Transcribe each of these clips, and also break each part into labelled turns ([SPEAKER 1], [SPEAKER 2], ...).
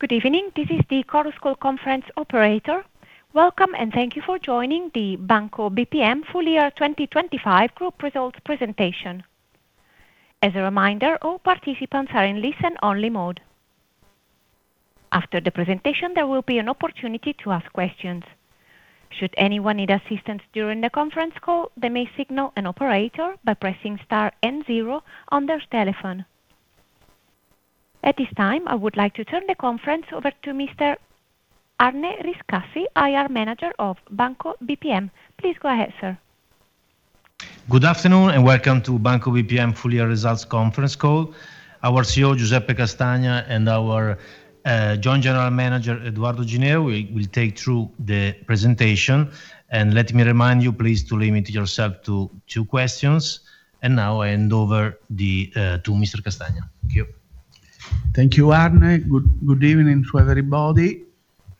[SPEAKER 1] Good evening, this is the conference operator. Welcome, and thank you for joining the Banco BPM Full Year 2025 Group Results Presentation. As a reminder, all participants are in listen-only mode. After the presentation, there will be an opportunity to ask questions. Should anyone need assistance during the conference call, they may signal an operator by pressing star and zero on their telephone. At this time, I would like to turn the conference over to Mr. Arne Riscassi, IR Manager of Banco BPM. Please go ahead, sir.
[SPEAKER 2] Good afternoon and welcome to Banco BPM Full Year Results Conference Call. Our CEO, Giuseppe Castagna, and our Joint General Manager, Edoardo Ginevra, will take through the presentation. Let me remind you, please limit yourself to two questions. Now I hand over to Mr. Castagna. Thank you.
[SPEAKER 3] Thank you, Arne. Good evening to everybody.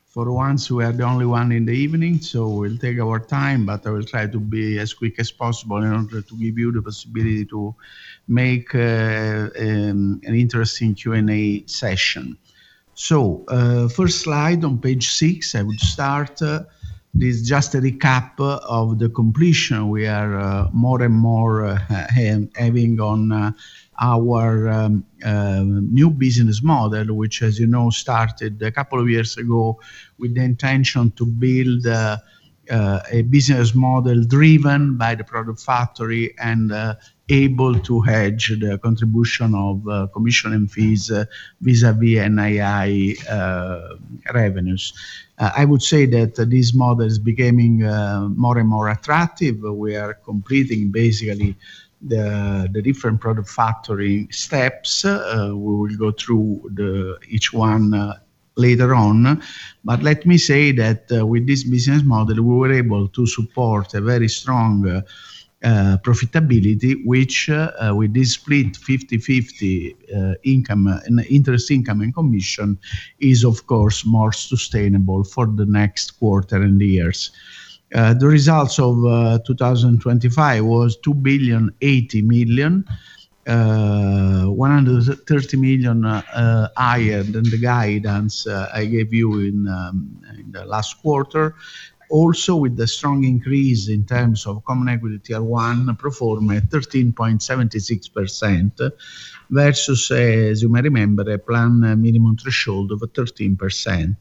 [SPEAKER 3] For once, we are the only ones in the evening, so we'll take our time, but I will try to be as quick as possible in order to give you the possibility to make an interesting Q&A session. So first slide on page six, I would start. This is just a recap of the completion we are more and more having on our new business model, which, as you know, started a couple of years ago with the intention to build a business model driven by the product factory and able to hedge the contribution of commission and fees vis-à-vis NII revenues. I would say that this model is becoming more and more attractive. We are completing, basically, the different product factory steps. We will go through each one later on. Let me say that with this business model, we were able to support a very strong profitability, which with this split 50/50 interest income and commission is, of course, more sustainable for the next quarter and years. The results of 2025 were 2.08 billion, 130 million higher than the guidance I gave you in the last quarter. Also, with the strong increase in terms of common equity Tier 1, performed at 13.76% versus, as you may remember, a plan minimum threshold of 13%.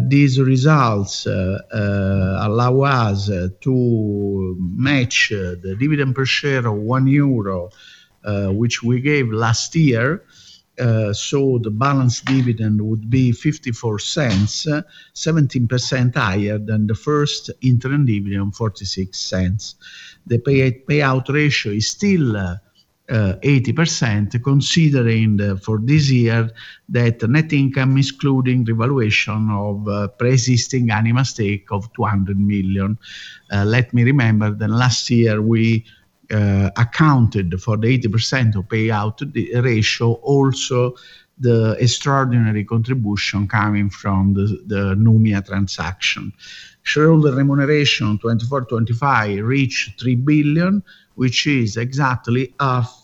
[SPEAKER 3] These results allow us to match the dividend per share of 1 euro, which we gave last year, so the balanced dividend would be 0.54, 17% higher than the first interim dividend, 0.46. The payout ratio is still 80%, considering for this year that net income, excluding revaluation of pre-existing Anima stake of 200 million. Let me remember that last year we accounted for the 80% payout ratio, also the extraordinary contribution coming from the Numia transaction. Shareholder remuneration 2024/25 reached 3 billion, which is exactly half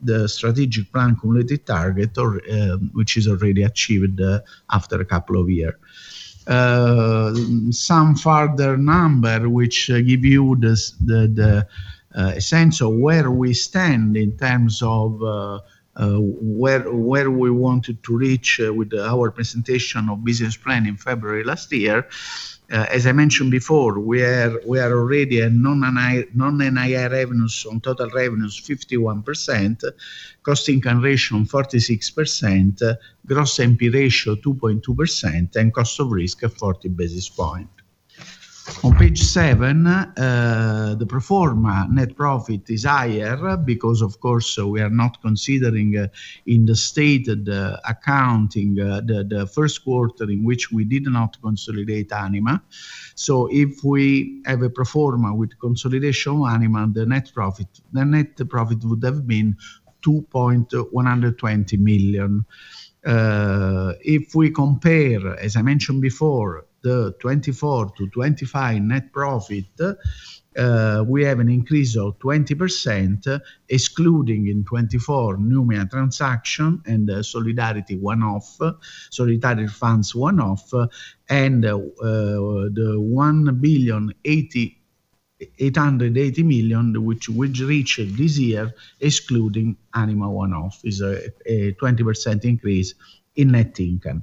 [SPEAKER 3] the strategic plan cumulative target, which is already achieved after a couple of years. Some further numbers which give you the sense of where we stand in terms of where we wanted to reach with our presentation of business plan in February last year. As I mentioned before, we are already at non-NII revenues on total revenues 51%, cost income ratio 46%, gross NPE ratio 2.2%, and cost of risk 40 basis points. On page seven, the proforma net profit is higher because, of course, we are not considering in the stated accounting the Q1 in which we did not consolidate Anima. So if we have a proforma with consolidation of Anima, the net profit would have been 2,120 million. If we compare, as I mentioned before, the 2024/25 net profit, we have an increase of 20% excluding in 2024 Numia transaction and solidarity one-off, solidarity funds one-off, and the 1,880 million, which reached this year excluding Anima one-off, is a 20% increase in net income,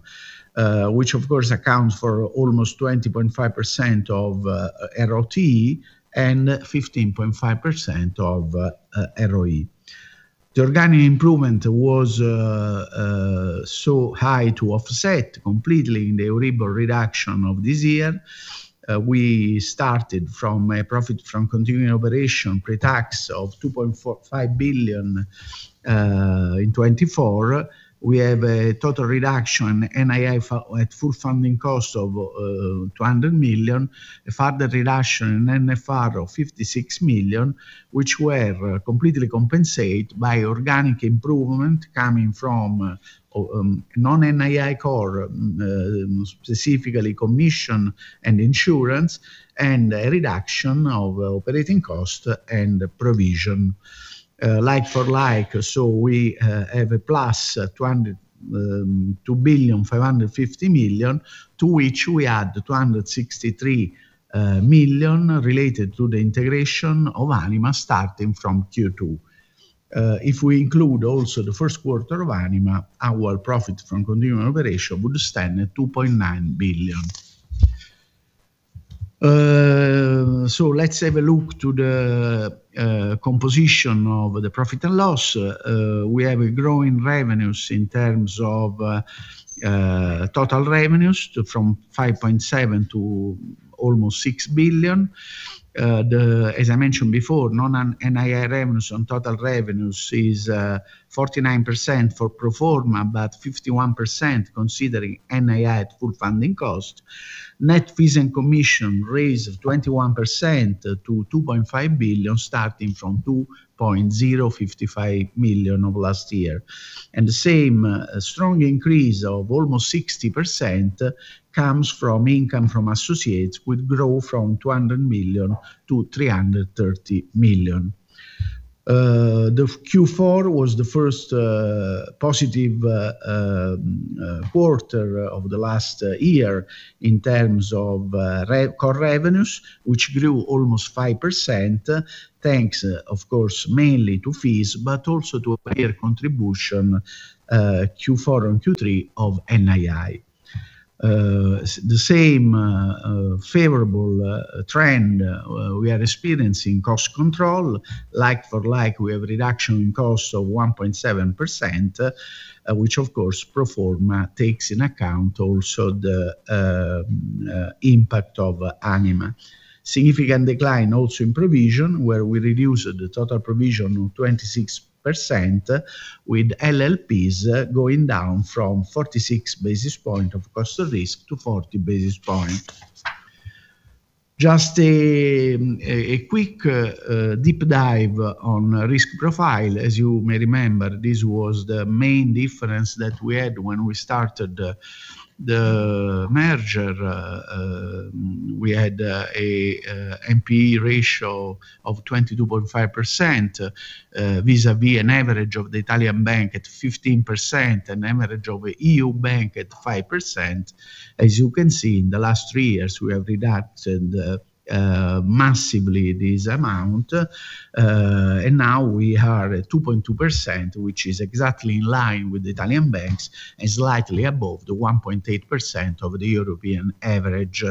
[SPEAKER 3] which, of course, accounts for almost 20.5% of ROTE and 15.5% of ROE. The organic improvement was so high to offset completely in the Euribor reduction of this year. We started from a profit from continuing operation pre-tax of 2.5 billion in 2024. We have a total reduction in NII at full funding cost of 200 million, a further reduction in NFR of 56 million, which were completely compensated by organic improvement coming from non-NII core, specifically commission and insurance, and a reduction of operating cost and provision. Like for like, so we have a plus 2,550 million to which we add 263 million related to the integration of Anima starting from Q2. If we include also the Q1 of Anima, our profit from continuing operation would stand at 2.9 billion. Let's have a look to the composition of the profit and loss. We have growing revenues in terms of total revenues from 5.7 billion to almost 6 billion. As I mentioned before, non-NII revenues on total revenues is 49% for proforma, but 51% considering NII at full funding cost. Net fees and commission raised 21% to 2.5 billion starting from 2.055 million of last year. The same strong increase of almost 60% comes from income from associates with growth from 200 million to 330 million. Q4 was the first positive quarter of the last year in terms of core revenues, which grew almost 5% thanks, of course, mainly to fees, but also to a higher contribution Q4 and Q3 of NII. The same favorable trend we are experiencing cost control. Like for like, we have a reduction in cost of 1.7%, which, of course, pro forma takes into account also the impact of Anima. Significant decline also in provision where we reduced the total provision of 26% with LLPs going down from 46 basis points of cost of risk to 40 basis points. Just a quick deep dive on risk profile. As you may remember, this was the main difference that we had when we started the merger. We had an NPE ratio of 22.5% vis-à-vis an average of the Italian bank at 15% and an average of the EU bank at 5%. As you can see, in the last three years, we have reduced massively this amount, and now we are at 2.2%, which is exactly in line with the Italian banks and slightly above the 1.8% of the European average.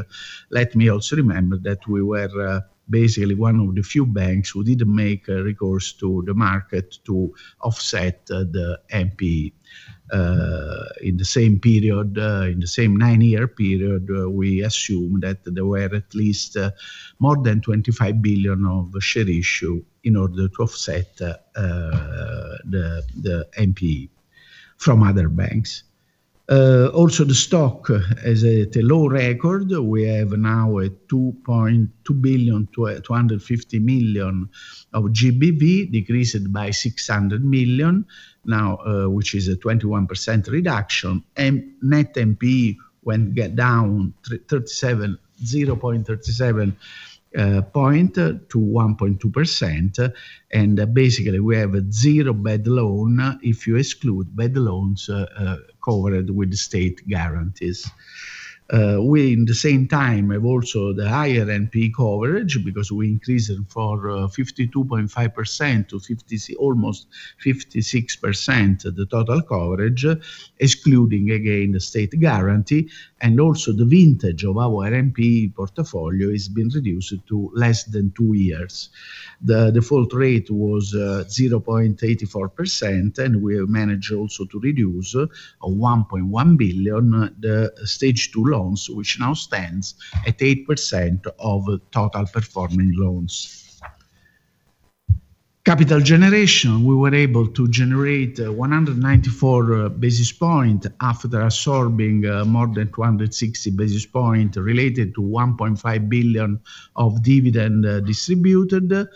[SPEAKER 3] Let me also remember that we were basically one of the few banks who didn't make recourse to the market to offset the NPE. In the same period, in the same nine-year period, we assumed that there were at least more than 25 billion of share issue in order to offset the NPE from other banks. Also, the stock is at a low record. We have now at 2.250 million of GBV, decreased by 600 million, which is a 21% reduction, and net NPE went down 0.37 point to 1.2%. Basically, we have zero bad loan if you exclude bad loans covered with state guarantees. We, in the same time, have also the higher NPE coverage because we increased it from 52.5% to almost 56% the total coverage, excluding, again, the state guarantee. Also, the vintage of our NPE portfolio has been reduced to less than two years. The default rate was 0.84%, and we have managed also to reduce of 1.1 billion the stage two loans, which now stands at 8% of total performing loans. Capital generation: we were able to generate 194 basis points after absorbing more than 260 basis points related to 1.5 billion of dividend distributed.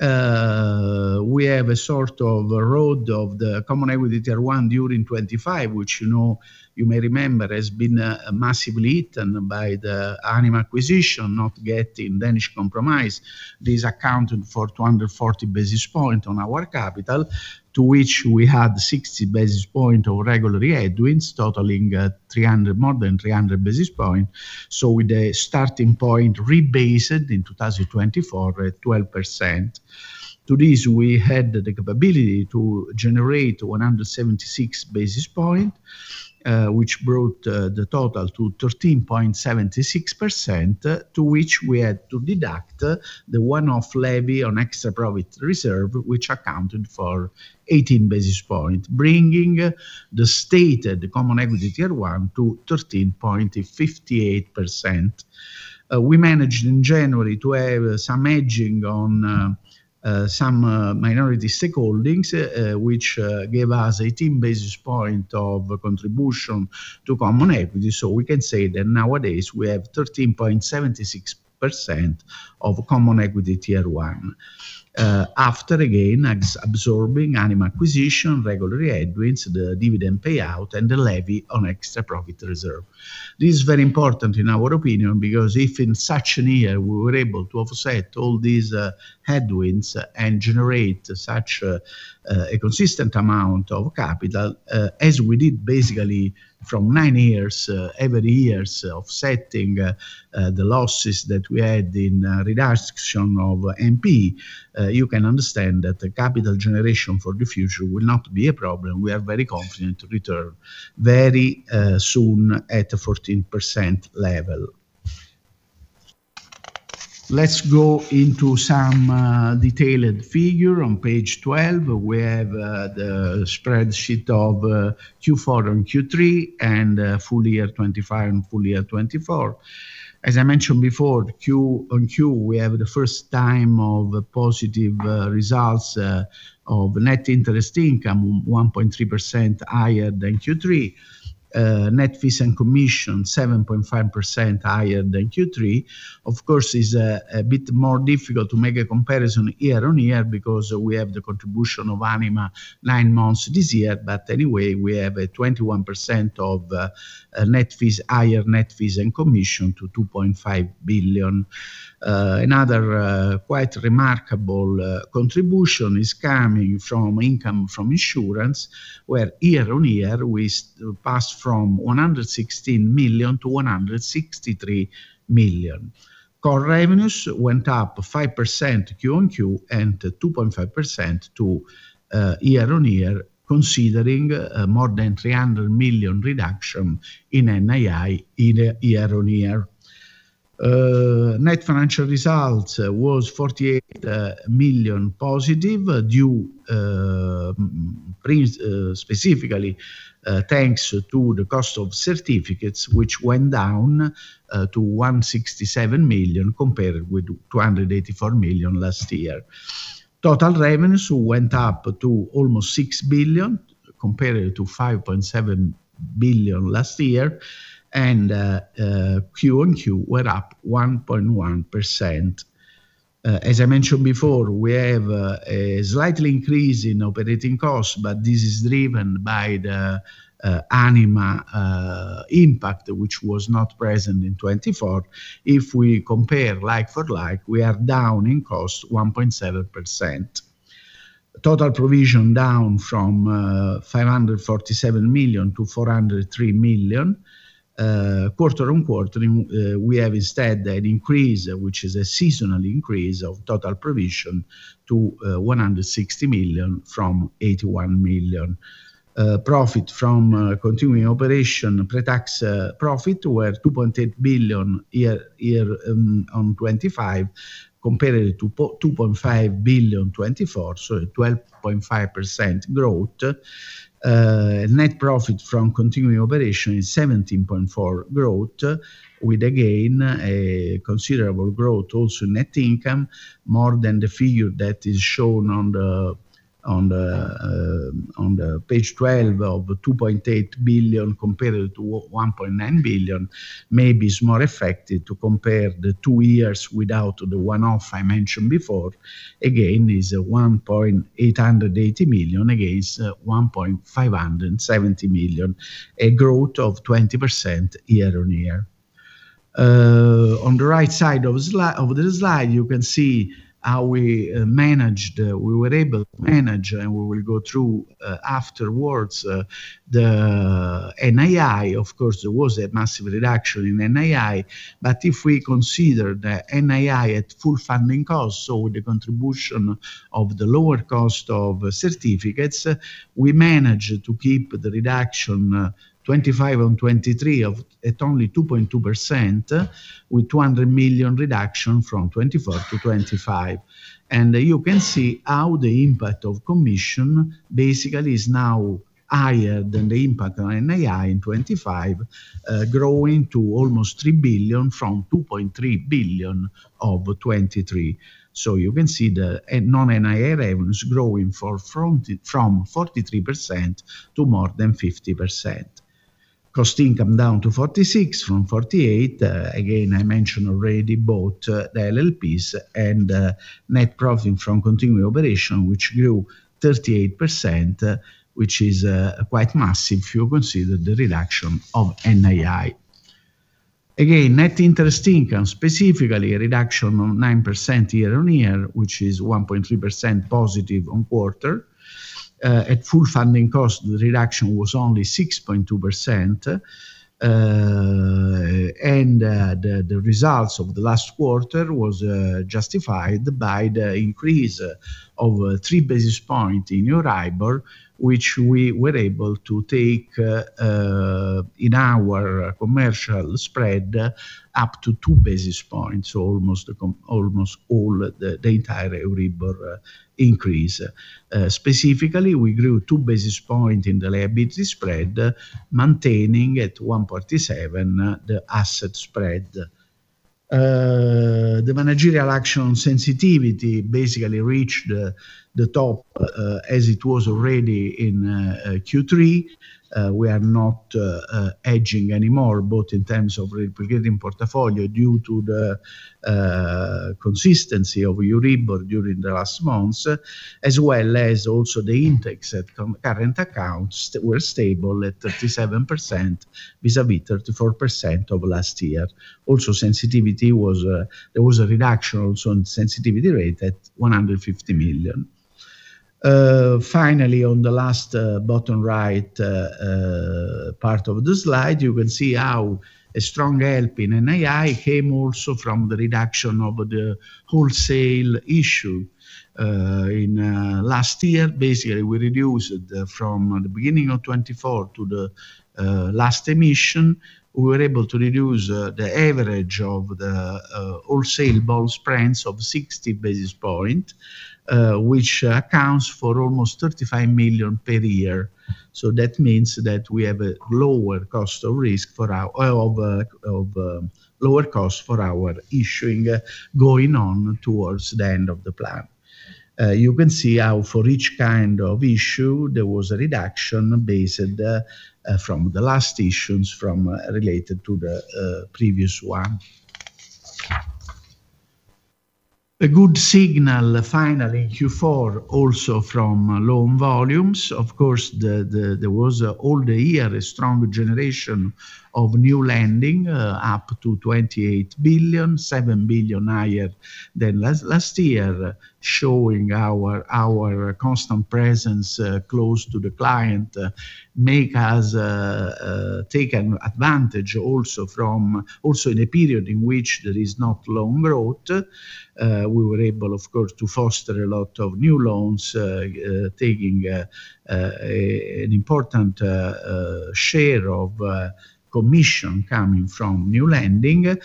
[SPEAKER 3] We have a sort of road of the common equity Tier 1 during 2025, which, you may remember, has been massively eaten by the Anima acquisition, not getting Danish Compromise. This accounted for 240 basis points on our capital, to which we had 60 basis points of regular re-add-ins totaling more than 300 basis points. So, with a starting point rebased in 2024 at 12%, to this, we had the capability to generate 176 basis points, which brought the total to 13.76%, to which we had to deduct the one-off levy on extra profit reserve, which accounted for 18 basis points, bringing the stated common equity Tier 1 to 13.58%. We managed, in January, to have some hedging on some minority stakeholdings, which gave us 18 basis points of contribution to common equity. So, we can say that nowadays we have 13.76% of Common Equity Tier 1 after, again, absorbing Anima acquisition, regular re-add-ins, the dividend payout, and the levy on extra profit reserve. This is very important in our opinion because if in such a year we were able to offset all these headwinds and generate such a consistent amount of capital as we did basically from nine years, every year offsetting the losses that we had in reduction of NPE, you can understand that capital generation for the future will not be a problem. We are very confident to return very soon at a 14% level. Let's go into some detailed figures. On page 12, we have the spreadsheet of Q4 and Q3 and full year 2025 and full year 2024. As I mentioned before, Q-on-Q, we have the first time of positive results of net interest income 1.3% higher than Q3, net fees and commission 7.5% higher than Q3. Of course, it's a bit more difficult to make a comparison year-over-year because we have the contribution of Anima nine months this year. But anyway, we have a 21% of net fees, higher net fees and commission to 2.5 billion. Another quite remarkable contribution is coming from income from insurance where, year-over-year, we passed from 116 million to 163 million. Core revenues went up 5% Q-on-Q and 2.5% year-over-year, considering more than 300 million reduction in NII year-over-year. Net financial results were 48 million positive due specifically thanks to the cost of certificates, which went down to 167 million compared with 284 million last year. Total revenues went up to almost 6 billion compared to 5.7 billion last year, and Q-on-Q were up 1.1%. As I mentioned before, we have a slightly increase in operating costs, but this is driven by the Anima impact, which was not present in 2024. If we compare like for like, we are down in cost 1.7%. Total provision down from 547 million to 403 million. Quarter-on-quarter, we have instead an increase, which is a seasonal increase of total provision to 160 million from 81 million. Profit from continuing operation pre-tax profit were 2.8 billion year-on 2025 compared to 2.5 billion on 2024, so a 12.5% growth. Net profit from continuing operation is 17.4% growth with, again, a considerable growth also in net income, more than the figure that is shown on page 12 of 2.8 billion compared to 1.9 billion. Maybe it's more effective to compare the two years without the one-off I mentioned before. Again, it's 1,880 million against 1,570 million, a growth of 20% year-on-year. On the right side of the slide, you can see how we managed, we were able to manage, and we will go through afterwards the NII. Of course, there was a massive reduction in NII, but if we consider the NII at full funding cost, so with the contribution of the lower cost of certificates, we managed to keep the reduction 2025 on 2023 at only 2.2% with a 200 million reduction from 2024 to 2025. And you can see how the impact of commission basically is now higher than the impact on NII in 2025, growing to almost 3 billion from 2.3 billion of 2023. So, you can see the non-NII revenues growing from 43% to more than 50%. Cost income down to 46% from 48%. Again, I mentioned already both the LLPs and net profit from continuing operation, which grew 38%, which is quite massive if you consider the reduction of NII. Again, net interest income, specifically a reduction of 9% year-on-year, which is +1.3% on quarter. At full funding cost, the reduction was only 6.2%, and the results of the last quarter were justified by the increase of 3 basis points in Euribor, which we were able to take in our commercial spread up to 2 basis points, so almost all the entire Euribor increase. Specifically, we grew 2 basis points in the liability spread, maintaining at 1.7% the asset spread. The managerial action sensitivity basically reached the top as it was already in Q3. We are not hedging anymore, both in terms of replicating portfolio due to the consistency of Euribor during the last months, as well as also the index at current accounts were stable at 37% vis-à-vis 34% of last year. Also, there was a reduction also in the sensitivity rate at 150 million. Finally, on the last bottom right part of the slide, you can see how a strong help in NII came also from the reduction of the wholesale issuance. In last year, basically, we reduced from the beginning of 2024 to the last issuance, we were able to reduce the average of the wholesale bond spreads of 60 basis points, which accounts for almost 35 million per year. So, that means that we have a lower cost of risk for our or lower cost for our issuing going on towards the end of the plan. You can see how for each kind of issue, there was a reduction based from the last issues related to the previous one. A good signal, finally, in Q4 also from loan volumes. Of course, there was all the year a strong generation of new lending up to 28 billion, 7 billion higher than last year, showing our our constant presence close to the client makes us take advantage also from also in a period in which there is not loan growth. We were able, of course, to foster a lot of new loans, taking an important share of commission coming from new lending.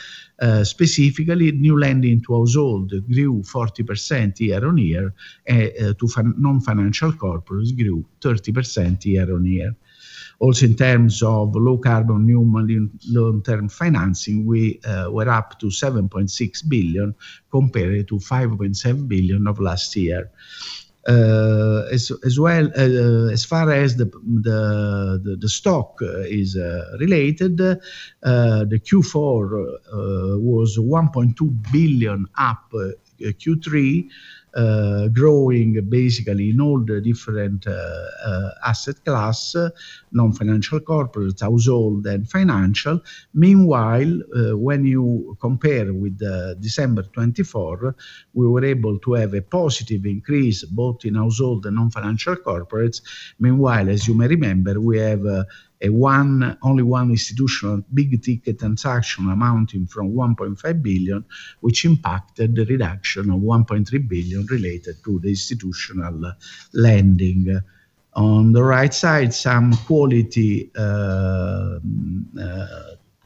[SPEAKER 3] Specifically, new lending to households grew 40% year-on-year, and to non-financial corporates grew 30% year-on-year. Also, in terms of low-carbon new long-term financing, we were up to 7.6 billion compared to 5.7 billion of last year. As well as far as the stock is related, the Q4 was 1.2 billion up Q3, growing basically in all the different asset classes, non-financial corporates, households, and financials. Meanwhile, when you compare with December 2024, we were able to have a positive increase both in households and non-financial corporates. Meanwhile, as you may remember, we have only one institutional big-ticket transaction amounting from 1.5 billion, which impacted the reduction of 1.3 billion related to the institutional lending. On the right side, some quality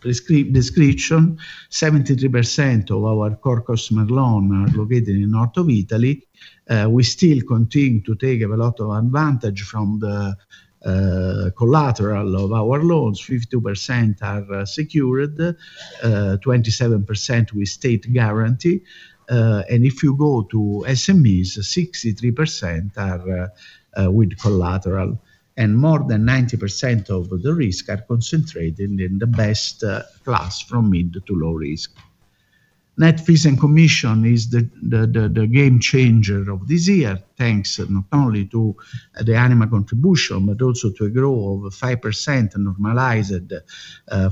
[SPEAKER 3] description: 73% of our core customer loans are located in the north of Italy. We still continue to take a lot of advantage from the collateral of our loans. 52% are secured, 27% with state guarantee. And if you go to SMEs, 63% are with collateral, and more than 90% of the risk are concentrated in the best class from mid- to low-risk. Net fees and commission are the game-changer of this year thanks not only to the Anima contribution but also to a growth of 5% normalized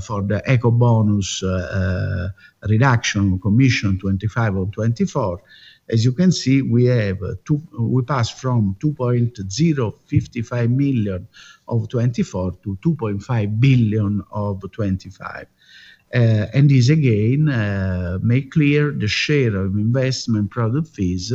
[SPEAKER 3] for the Ecobonus reduction commission 2025 on 2024. As you can see, we have, too, we passed from 2.055 million of 2024 to 2.5 billion of 2025. And this, again, makes clear the share of investment product fees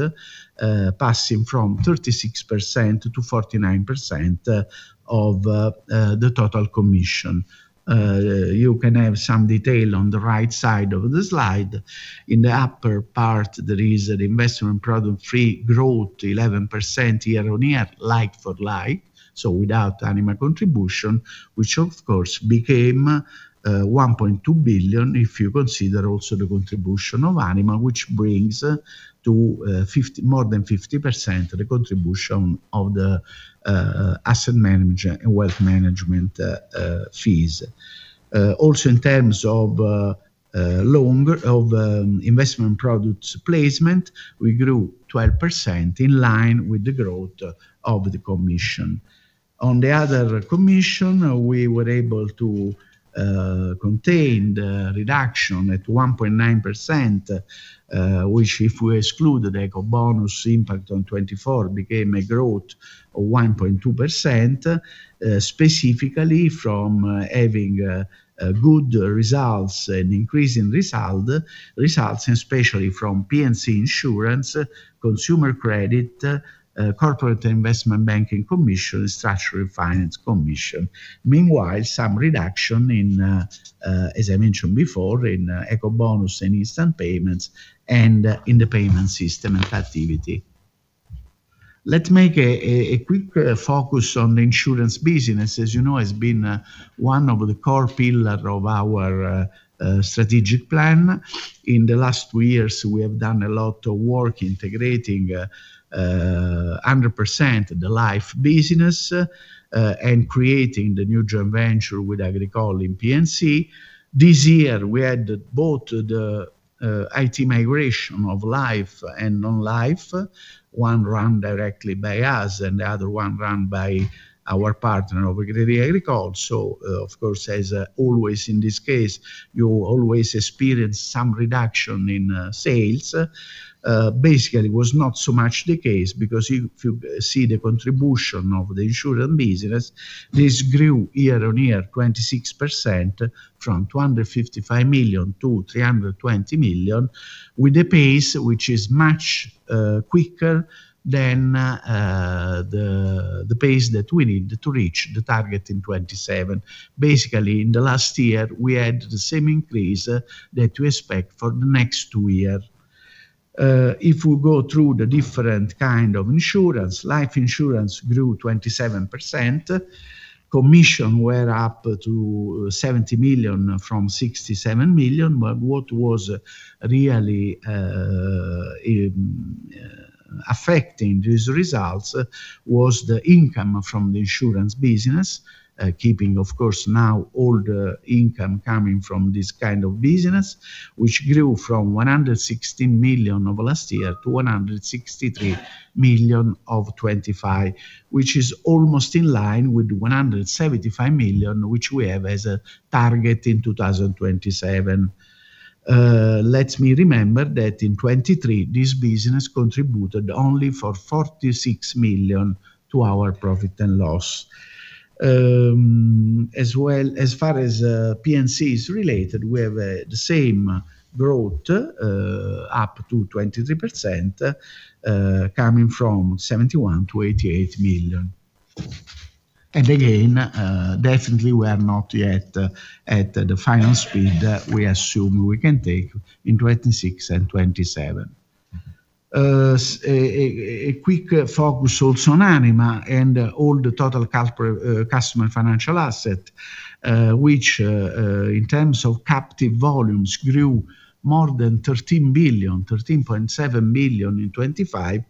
[SPEAKER 3] passing from 36%-49% of the total commission. You can have some detail on the right side of the slide. In the upper part, there is an investment product-fee growth of 11% year-over-year like for like, so without Anima contribution, which, of course, became 1.2 billion if you consider also the contribution of Anima, which brings to more than 50% the contribution of the asset management and wealth management fees. Also, in terms of loan of investment products placement, we grew 12% in line with the growth of the commission. On the other commission, we were able to contain the reduction at 1.9%, which, if we exclude the Ecobonus impact on 2024, became a growth of 1.2%, specifically from having good results and increasing results, especially from P&C insurance, consumer credit, corporate investment banking commission, and structural finance commission. Meanwhile, some reduction in, as I mentioned before, in Ecobonus and instant payments and in the payment system and captivity. Let's make a quick focus on the insurance business. As you know, it has been one of the core pillars of our strategic plan. In the last two years, we have done a lot of work integrating 100% the life business and creating the new joint venture with Agricole in P&C. This year, we added both the IT migration of life and non-life, one run directly by us and the other one run by our partner over at Agricole. So, of course, as always in this case, you always experience some reduction in sales. Basically, it was not so much the case because if you see the contribution of the insurance business, this grew year-on-year 26% from 255 million to 320 million with a pace which is much quicker than the pace that we need to reach the target in 2027. Basically, in the last year, we had the same increase that we expect for the next two years. If we go through the different kinds of insurance, life insurance grew 27%, commission went up to 70 million from 67 million, but what was really affecting these results was the income from the insurance business, keeping, of course, now all the income coming from this kind of business, which grew from 116 million of last year to 163 million of 2025, which is almost in line with the 175 million which we have as a target in 2027. Let me remember that in 2023, this business contributed only for 46 million to our profit and loss. As well as far as P&C is related, we have the same growth, up to 23%, coming from 71 million to 88 million. Again, definitely, we are not yet at the final speed we assume we can take in 2026 and 2027. A quick focus also on Anima and all the total customer financial assets, which, in terms of captive volumes, grew more than 13 billion, 13.7 billion in 2025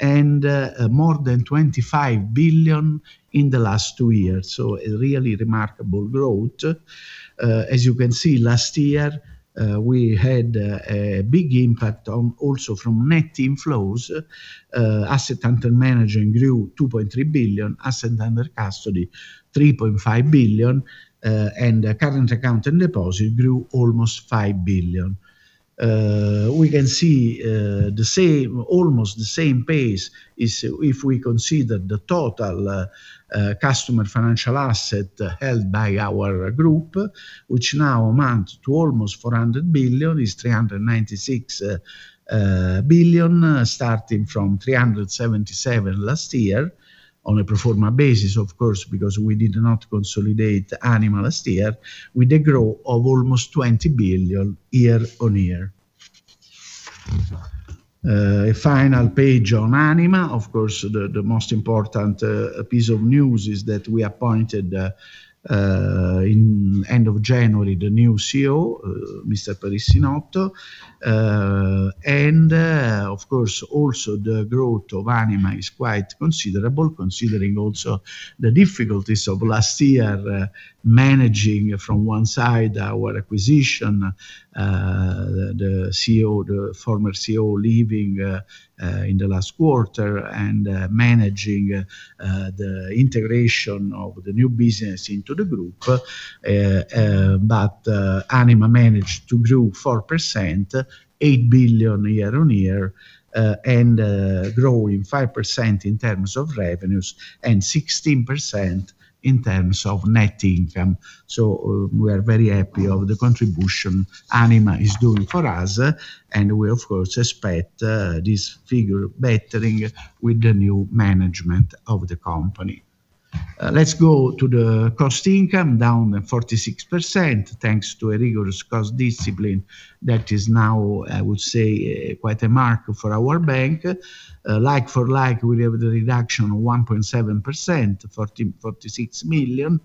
[SPEAKER 3] and more than 25 billion in the last two years. So, a really remarkable growth. As you can see, last year, we had a big impact also from net inflows. Asset under management grew 2.3 billion, asset under custody 3.5 billion, and current account and deposit grew almost 5 billion. We can see the same, almost the same pace as if we consider the total customer financial assets held by our group, which now amount to almost 400 billion, is 396 billion starting from 377 billion last year on a pro forma basis, of course, because we did not consolidate Anima last year, with a growth of almost 20 billion year-on-year. A final page on Anima, of course, the most important piece of news is that we appointed, in the end of January, the new CEO, Mr. Perissinotto, and, of course, also the growth of Anima is quite considerable considering also the difficulties of last year managing from one side our acquisition, the CEO, the former CEO, leaving, in the last quarter and managing, the integration of the new business into the group. Anima managed to grow 4%, 8 billion year-on-year, and growing 5% in terms of revenues and 16% in terms of net income. So, we are very happy with the contribution Anima is doing for us, and we, of course, expect this figure bettering with the new management of the company. Let's go to the cost income down 46% thanks to a rigorous cost discipline that is now, I would say, quite a mark for our bank. Like-for-like, we have the reduction of 1.7%, 46 million,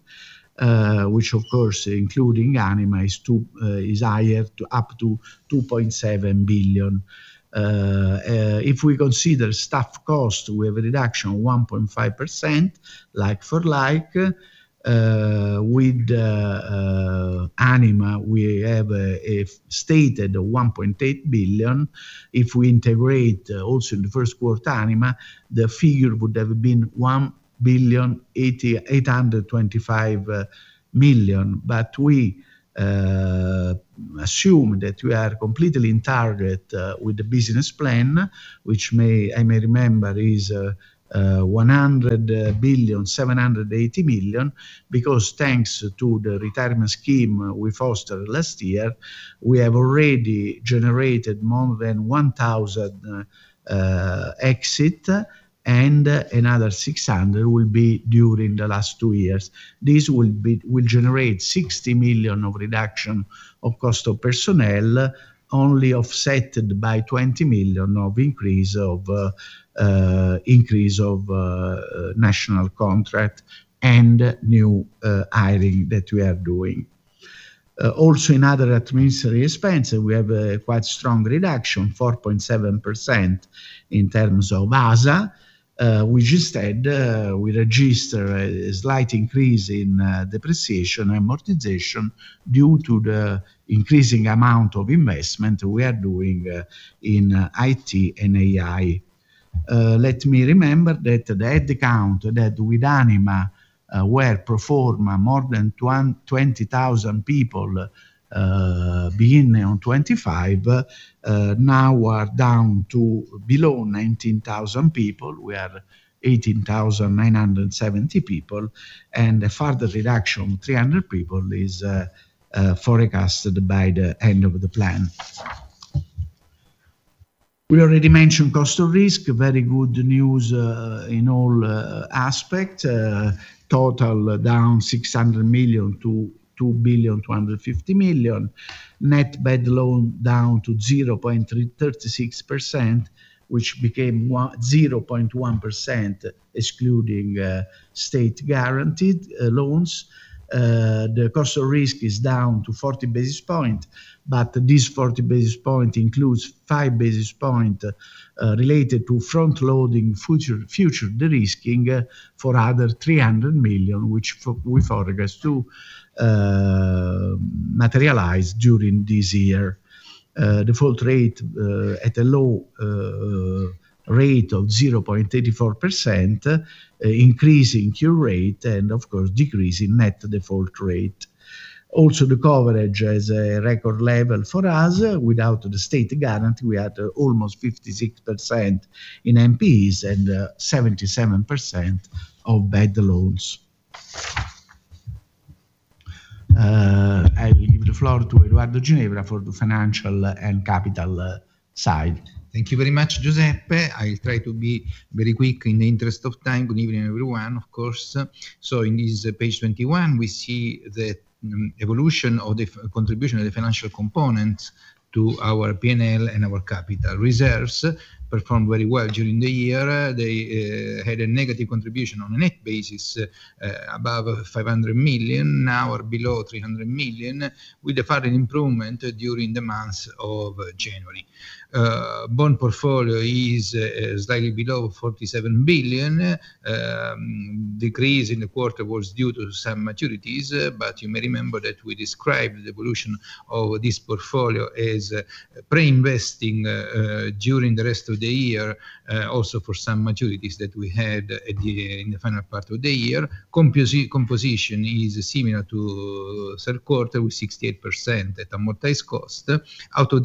[SPEAKER 3] which, of course, including Anima, is higher, up to 2.7 billion. If we consider staff cost, we have a reduction of 1.5% like-for-like. With Anima, we have a stated 1.8 billion. If we integrate also in the Q1 Anima, the figure would have been 1.825 billion, but we assume that we are completely in target with the business plan, which, may I remember, is 100.78 billion because thanks to the retirement scheme we fostered last year, we have already generated more than 1,000 exits and another 600 will be during the last two years. This will generate 60 million of reduction of cost of personnel only offset by 20 million of increase of national contract and new hiring that we are doing. Also, in other administrative expenses, we have a quite strong reduction, 4.7% in terms of ASA, which instead we register a slight increase in depreciation and amortization due to the increasing amount of investment we are doing in IT and AI. Let me remember that the headcount that with Anima, where pro forma more than 20,000 people, beginning in 2025, now are down to below 19,000 people. We are 18,970 people, and a further reduction of 300 people is forecasted by the end of the plan. We already mentioned cost of risk, very good news, in all aspects, total down 600 million to 2.25 billion, net bad loan down to 0.36%, which became 0.1% excluding state-guaranteed loans. The cost of risk is down to 40 basis points, but this 40 basis points includes five basis points related to front-loading future future derisking for another 300 million, which we forecast to materialize during this year. Default rate at a low rate of 0.84%, increasing cure rate and, of course, decreasing net default rate. Also, the coverage has a record level for us. Without the state guarantee, we had almost 56% in NPEs and 77% of bad loans. I'll give the floor to Edoardo Ginevra for the financial and capital side.
[SPEAKER 4] Thank you very much, Giuseppe. I'll try to be very quick in the interest of time, good evening everyone, of course. In this page 21, we see the evolution of the contribution of the financial components to our P&L and our capital reserves performed very well during the year. They had a negative contribution on a net basis above 500 million, now are below 300 million with a further improvement during the month of January. Bond portfolio is slightly below 47 billion. Decrease in the quarter was due to some maturities, but you may remember that we described the evolution of this portfolio as re-investing, during the rest of the year, also for some maturities that we had at the in the final part of the year. Composition is similar to Q3 with 68% at amortized cost. Out of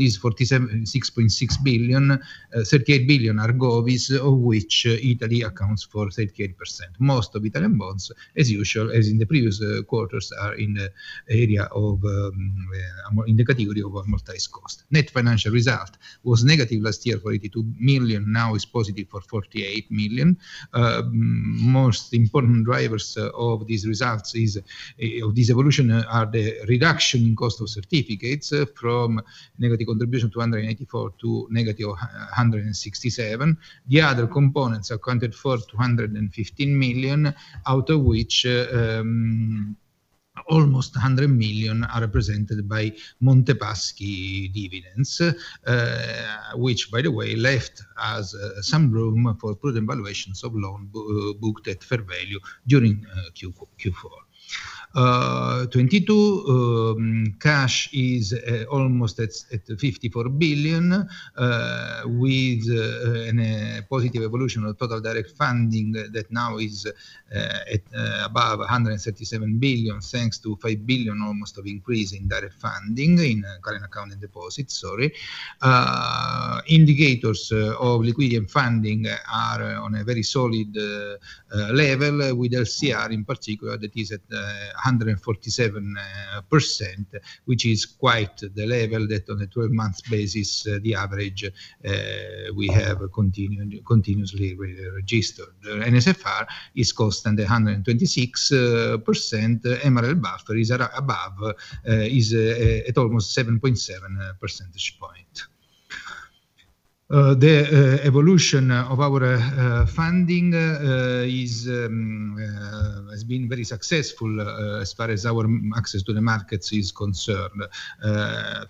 [SPEAKER 4] these 6.6 billion, 38 billion are Govies, of which Italy accounts for 38%. Most of Italian bonds, as usual, as in the previous quarters, are in the area of, in the category of amortized cost. Net financial result was negative last year for 82 million, now is positive for 48 million. Most important drivers of these results is of this evolution are the reduction in cost of certificates from negative contribution to 184 million to negative 167 million. The other components accounted for 215 million, out of which almost 100 million are represented by Monte dei Paschi dividends, which, by the way, left us some room for prudent valuations of loan booked at fair value during Q4 2022. Cash is almost at 54 billion, with a positive evolution of total direct funding that now is above 137 billion thanks to 5 billion almost of increase in direct funding in current account and deposits. Sorry, indicators of liquidity and funding are on a very solid level with LCR in particular that is at 147%, which is quite the level that on a 12-month basis the average we have continuously registered. NSFR is constant at 126%, MREL buffer is at almost 7.7 percentage points. The evolution of our funding has been very successful, as far as our access to the markets is concerned.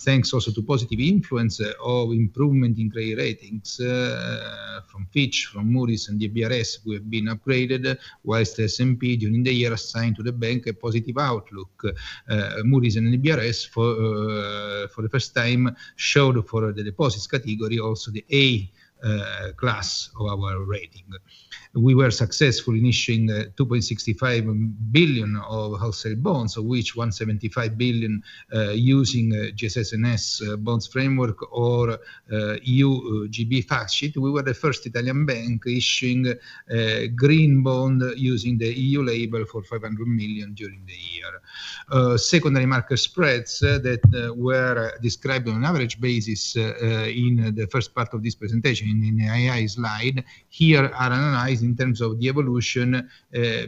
[SPEAKER 4] Thanks also to positive influence of improvement in credit ratings, from Fitch, from Moody's, and DBRS, we have been upgraded, whilst the S&P during the year assigned to the bank a positive outlook. Moody's and DBRS, for the first time, showed for the deposits category also the A class of our rating. We were successful in issuing 2.65 billion of wholesale bonds, of which 175 billion, using GSS bonds framework or EU GB factsheet. We were the first Italian bank issuing green bond using the EU label for 500 million during the year. Secondary market spreads that were described on an average basis, in the first part of this presentation in the AI slide here, are analyzed in terms of the evolution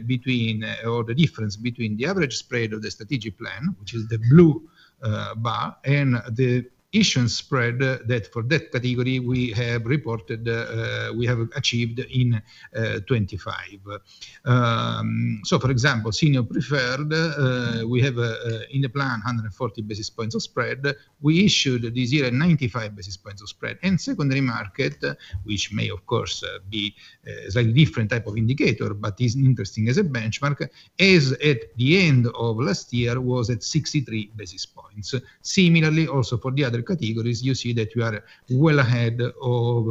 [SPEAKER 4] between or the difference between the average spread of the strategic plan, which is the blue bar, and the issuance spread that, for that category, we have reported we have achieved in 2025. So, for example, senior preferred, we have in the plan 140 basis points of spread, we issued this year 95 basis points of spread, and secondary market, which may, of course, be slightly different type of indicator but is interesting as a benchmark, as at the end of last year was at 63 basis points. Similarly, also for the other categories, you see that we are well ahead of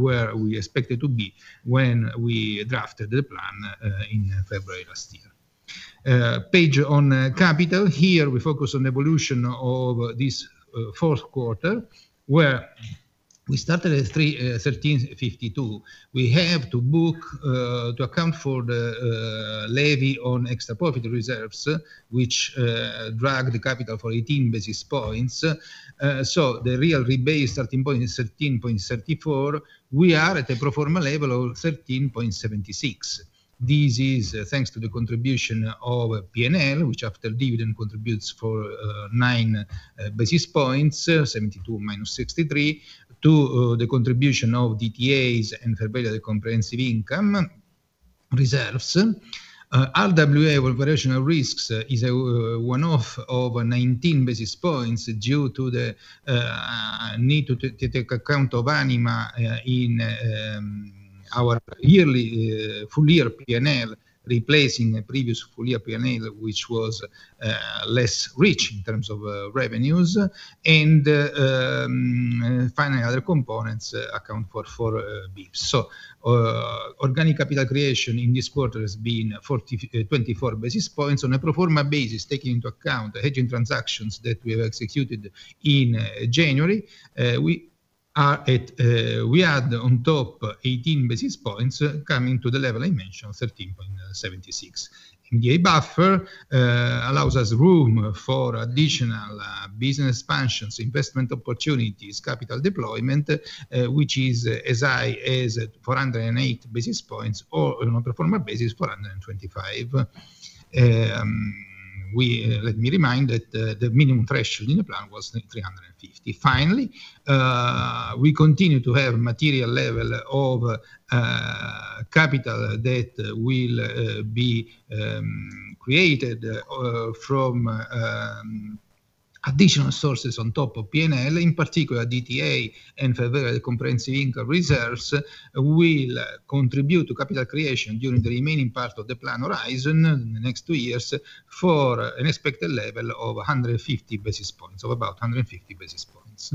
[SPEAKER 4] where we expected to be when we drafted the plan in February last year. Page on capital, here we focus on the evolution of this Q4 where we started at 13.52. We have to book to account for the levy on extra profit reserves, which dragged the capital for 18 basis points. The real rebase starting point is 13.34. We are at a pro forma level of 13.76. This is thanks to the contribution of P&L, which after dividend contributes 9 basis points, 72 minus 63, to the contribution of DTAs and Fair Value of the Comprehensive Income reserves. RWA of operational risks is a one-off of 19 basis points due to the need to take account of Anima in our yearly full year P&L replacing previous full year P&L, which was less rich in terms of revenues, and final other components account for basis points. So, organic capital creation in this quarter has been 24 basis points on a pro forma basis taking into account hedging transactions that we have executed in January. We are at, we add on top 18 basis points coming to the level I mentioned, 13.76. MDA buffer allows us room for additional business expansions, investment opportunities, capital deployment, which is as high as 408 basis points or on a pro forma basis 425. We, let me remind that the minimum threshold in the plan was 350. Finally, we continue to have material level of capital that will be created from additional sources on top of P&L. In particular DTA and Fair Value of the Comprehensive Income reserves will contribute to capital creation during the remaining part of the plan horizon in the next two years for an expected level of 150 basis points, of about 150 basis points.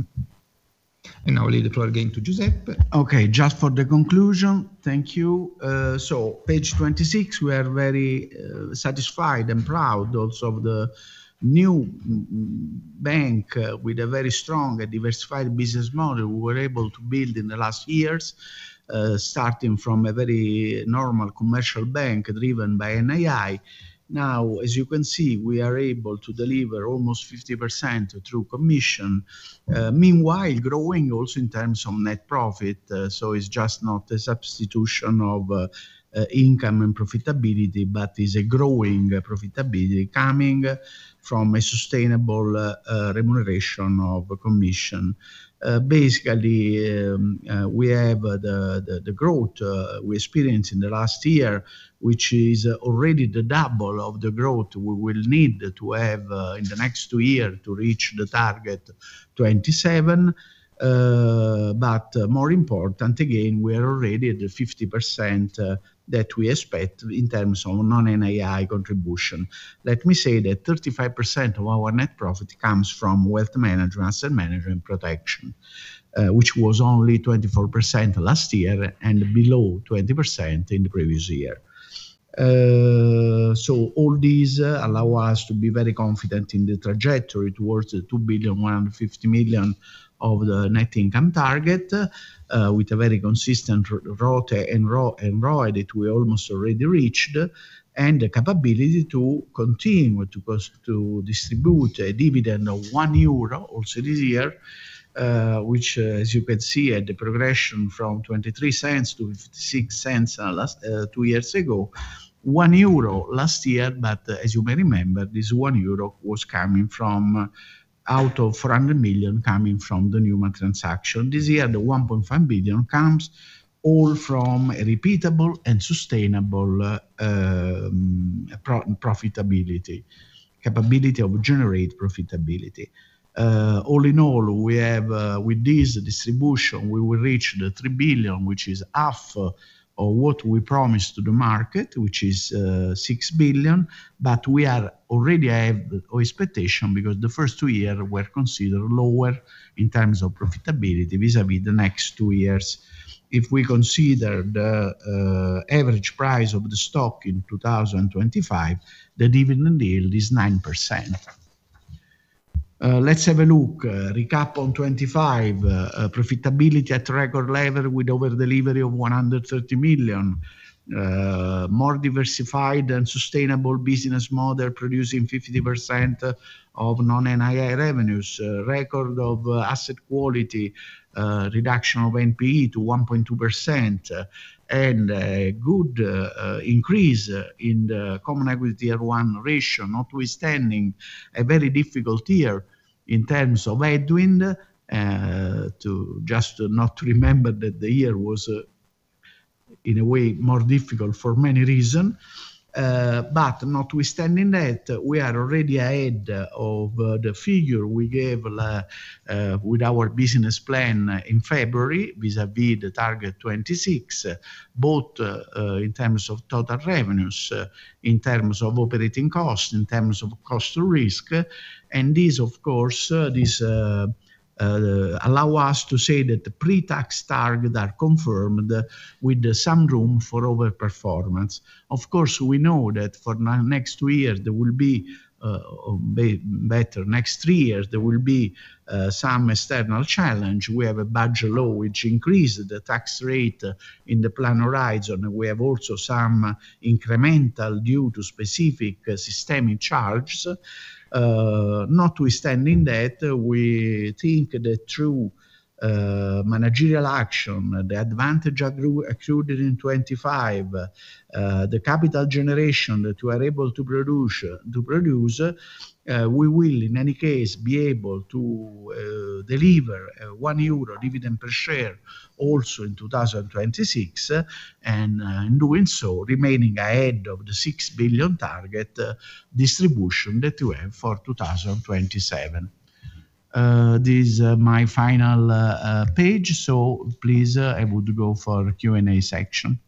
[SPEAKER 4] And now I'll leave the floor again to Giuseppe.
[SPEAKER 3] Okay, just for the conclusion, thank you. So page 26, we are very satisfied and proud also of the new bank with a very strong and diversified business model we were able to build in the last years, starting from a very normal commercial bank driven by NII. Now, as you can see, we are able to deliver almost 50% through commission, meanwhile growing also in terms of net profit. So it's just not a substitution of income and profitability, but it's a growing profitability coming from a sustainable remuneration of commission. Basically, we have the growth we experienced in the last year, which is already the double of the growth we will need to have in the next two years to reach the target 2027. But more important again, we are already at the 50% that we expect in terms of non-NII contribution. Let me say that 35% of our net profit comes from wealth management, asset management, and protection, which was only 24% last year and below 20% in the previous year. All these allow us to be very confident in the trajectory towards the 2,150 million of the net income target, with a very consistent ROTE and ROI that we almost already reached and the capability to continue to distribute a dividend of 1 euro also this year, which, as you can see, had the progression from 0.23 to 0.56 two years ago. 1 euro last year, but as you may remember, this 1 euro was coming from out of 400 million coming from the new money transaction. This year, the 1.5 billion comes all from repeatable and sustainable profitability, capability of generating profitability. All in all, we have, with this distribution, we will reach the 3 billion, which is half of what we promised to the market, which is, 6 billion, but we are already have our expectation because the first two years were considered lower in terms of profitability vis-à-vis the next two years. If we consider the average price of the stock in 2025, the dividend yield is 9%. Let's have a look, recap on 2025, profitability at record level with overdelivery of 130 million, more diversified and sustainable business model producing 50% of non-NII revenues, record of asset quality, reduction of NPE to 1.2%, and a good increase in the common equity Tier 1 ratio, notwithstanding a very difficult year in terms of headwind. to just not remember that the year was, in a way, more difficult for many reasons, but notwithstanding that, we are already ahead of the figure we gave, with our business plan in February vis-à-vis the target 26, both, in terms of total revenues, in terms of operating costs, in terms of cost to risk, and this, of course, allows us to say that the pre-tax targets are confirmed with some room for overperformance. Of course, we know that for the next two years there will be, next three years there will be, some external challenge. We have a budget law which increased the tax rate in the plan horizon. We have also some incremental due to specific systemic charges. Notwithstanding that, we think that through managerial action, the advantage accrued in 2025, the capital generation that we are able to produce, we will in any case be able to deliver 1 euro dividend per share also in 2026 and, in doing so, remaining ahead of the 6 billion target distribution that we have for 2027. This is my final page, so please I would go for Q&A section.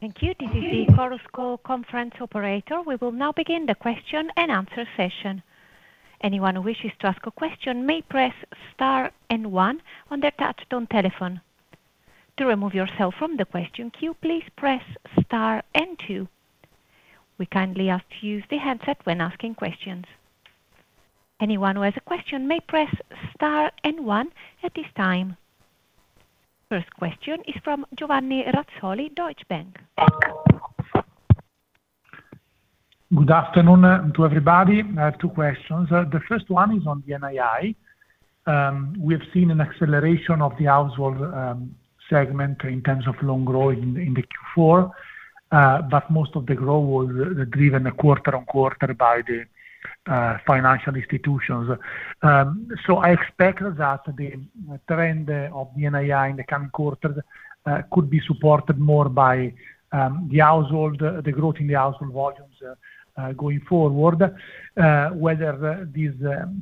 [SPEAKER 1] Thank you. This is the Chorus Call conference operator. We will now begin the question and answer session. Anyone who wishes to ask a question may press star and one on their touch-tone telephone. To remove yourself from the question queue, please press star and two. We kindly ask to use the headset when asking questions. Anyone who has a question may press star and one at this time. First question is from Giovanni Razzoli, Deutsche Bank.
[SPEAKER 5] Good afternoon to everybody. I have two questions. The first one is on the NII. We have seen an acceleration of the household segment in terms of loan growth in the Q4, but most of the growth was driven quarter-on-quarter by the financial institutions. So I expect that the trend of the NII in the coming quarters could be supported more by the household, the growth in the household volumes going forward. Whether this,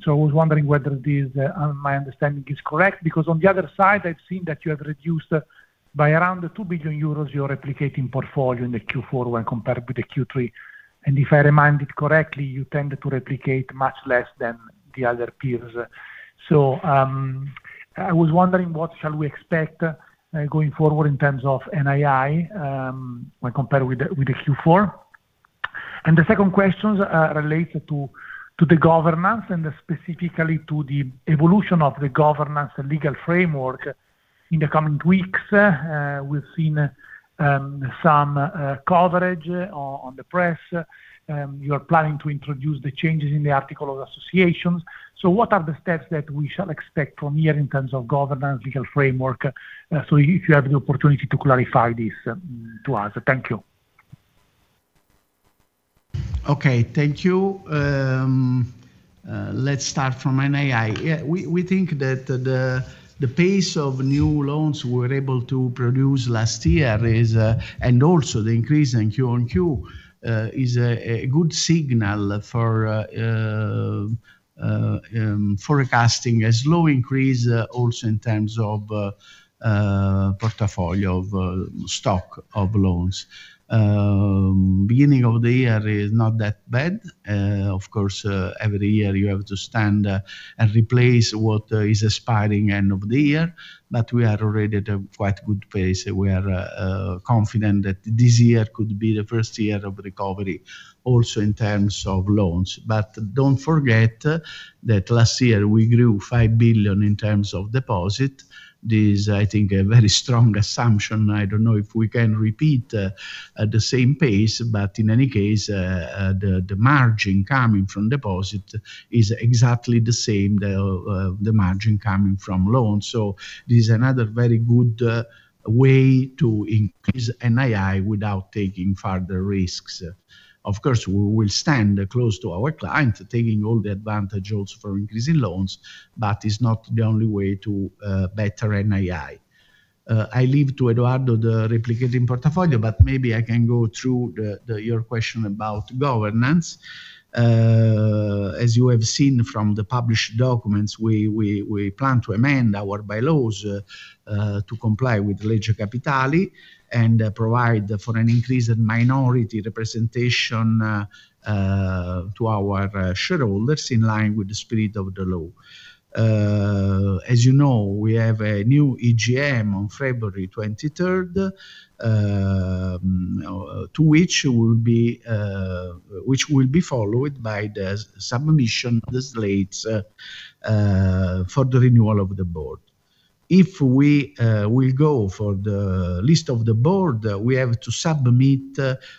[SPEAKER 5] so I was wondering whether this, my understanding, is correct because on the other side, I've seen that you have reduced by around 2 billion euros your replicating portfolio in the Q4 when compared with the Q3. And if I remember it correctly, you tend to replicate much less than the other peers. So I was wondering what shall we expect going forward in terms of NII when compared with the Q4. The second question relates to the governance and specifically to the evolution of the governance legal framework in the coming weeks. We've seen some coverage in the press. You are planning to introduce the changes in the articles of association. So what are the steps that we shall expect from here in terms of governance legal framework? So if you have the opportunity to clarify this to us. Thank you.
[SPEAKER 3] Okay, thank you. Let's start from NII. We think that the pace of new loans we were able to produce last year is, and also the increase in Q-on-Q, is a good signal for forecasting a slow increase also in terms of portfolio of stock of loans. Beginning of the year is not that bad. Of course, every year you have to stand and replace what is expiring at the end of the year, but we are already at a quite good pace. We are confident that this year could be the first year of recovery also in terms of loans. But don't forget that last year we grew 5 billion in terms of deposit. This is, I think, a very strong assumption. I don't know if we can repeat at the same pace, but in any case, the margin coming from deposit is exactly the same, the margin coming from loans. So this is another very good way to increase NII without taking further risks. Of course, we will stand close to our client taking all the advantage also for increasing loans, but it's not the only way to better NII. I leave to Edoardo the replicating portfolio, but maybe I can go through your question about governance. As you have seen from the published documents, we plan to amend our bylaws to comply with Legge Capitali and provide for an increased minority representation to our shareholders in line with the spirit of the law. As you know, we have a new EGM on 23 February, to which will be followed by the submission of the slates for the renewal of the board. If we will go for the list of the board, we have to submit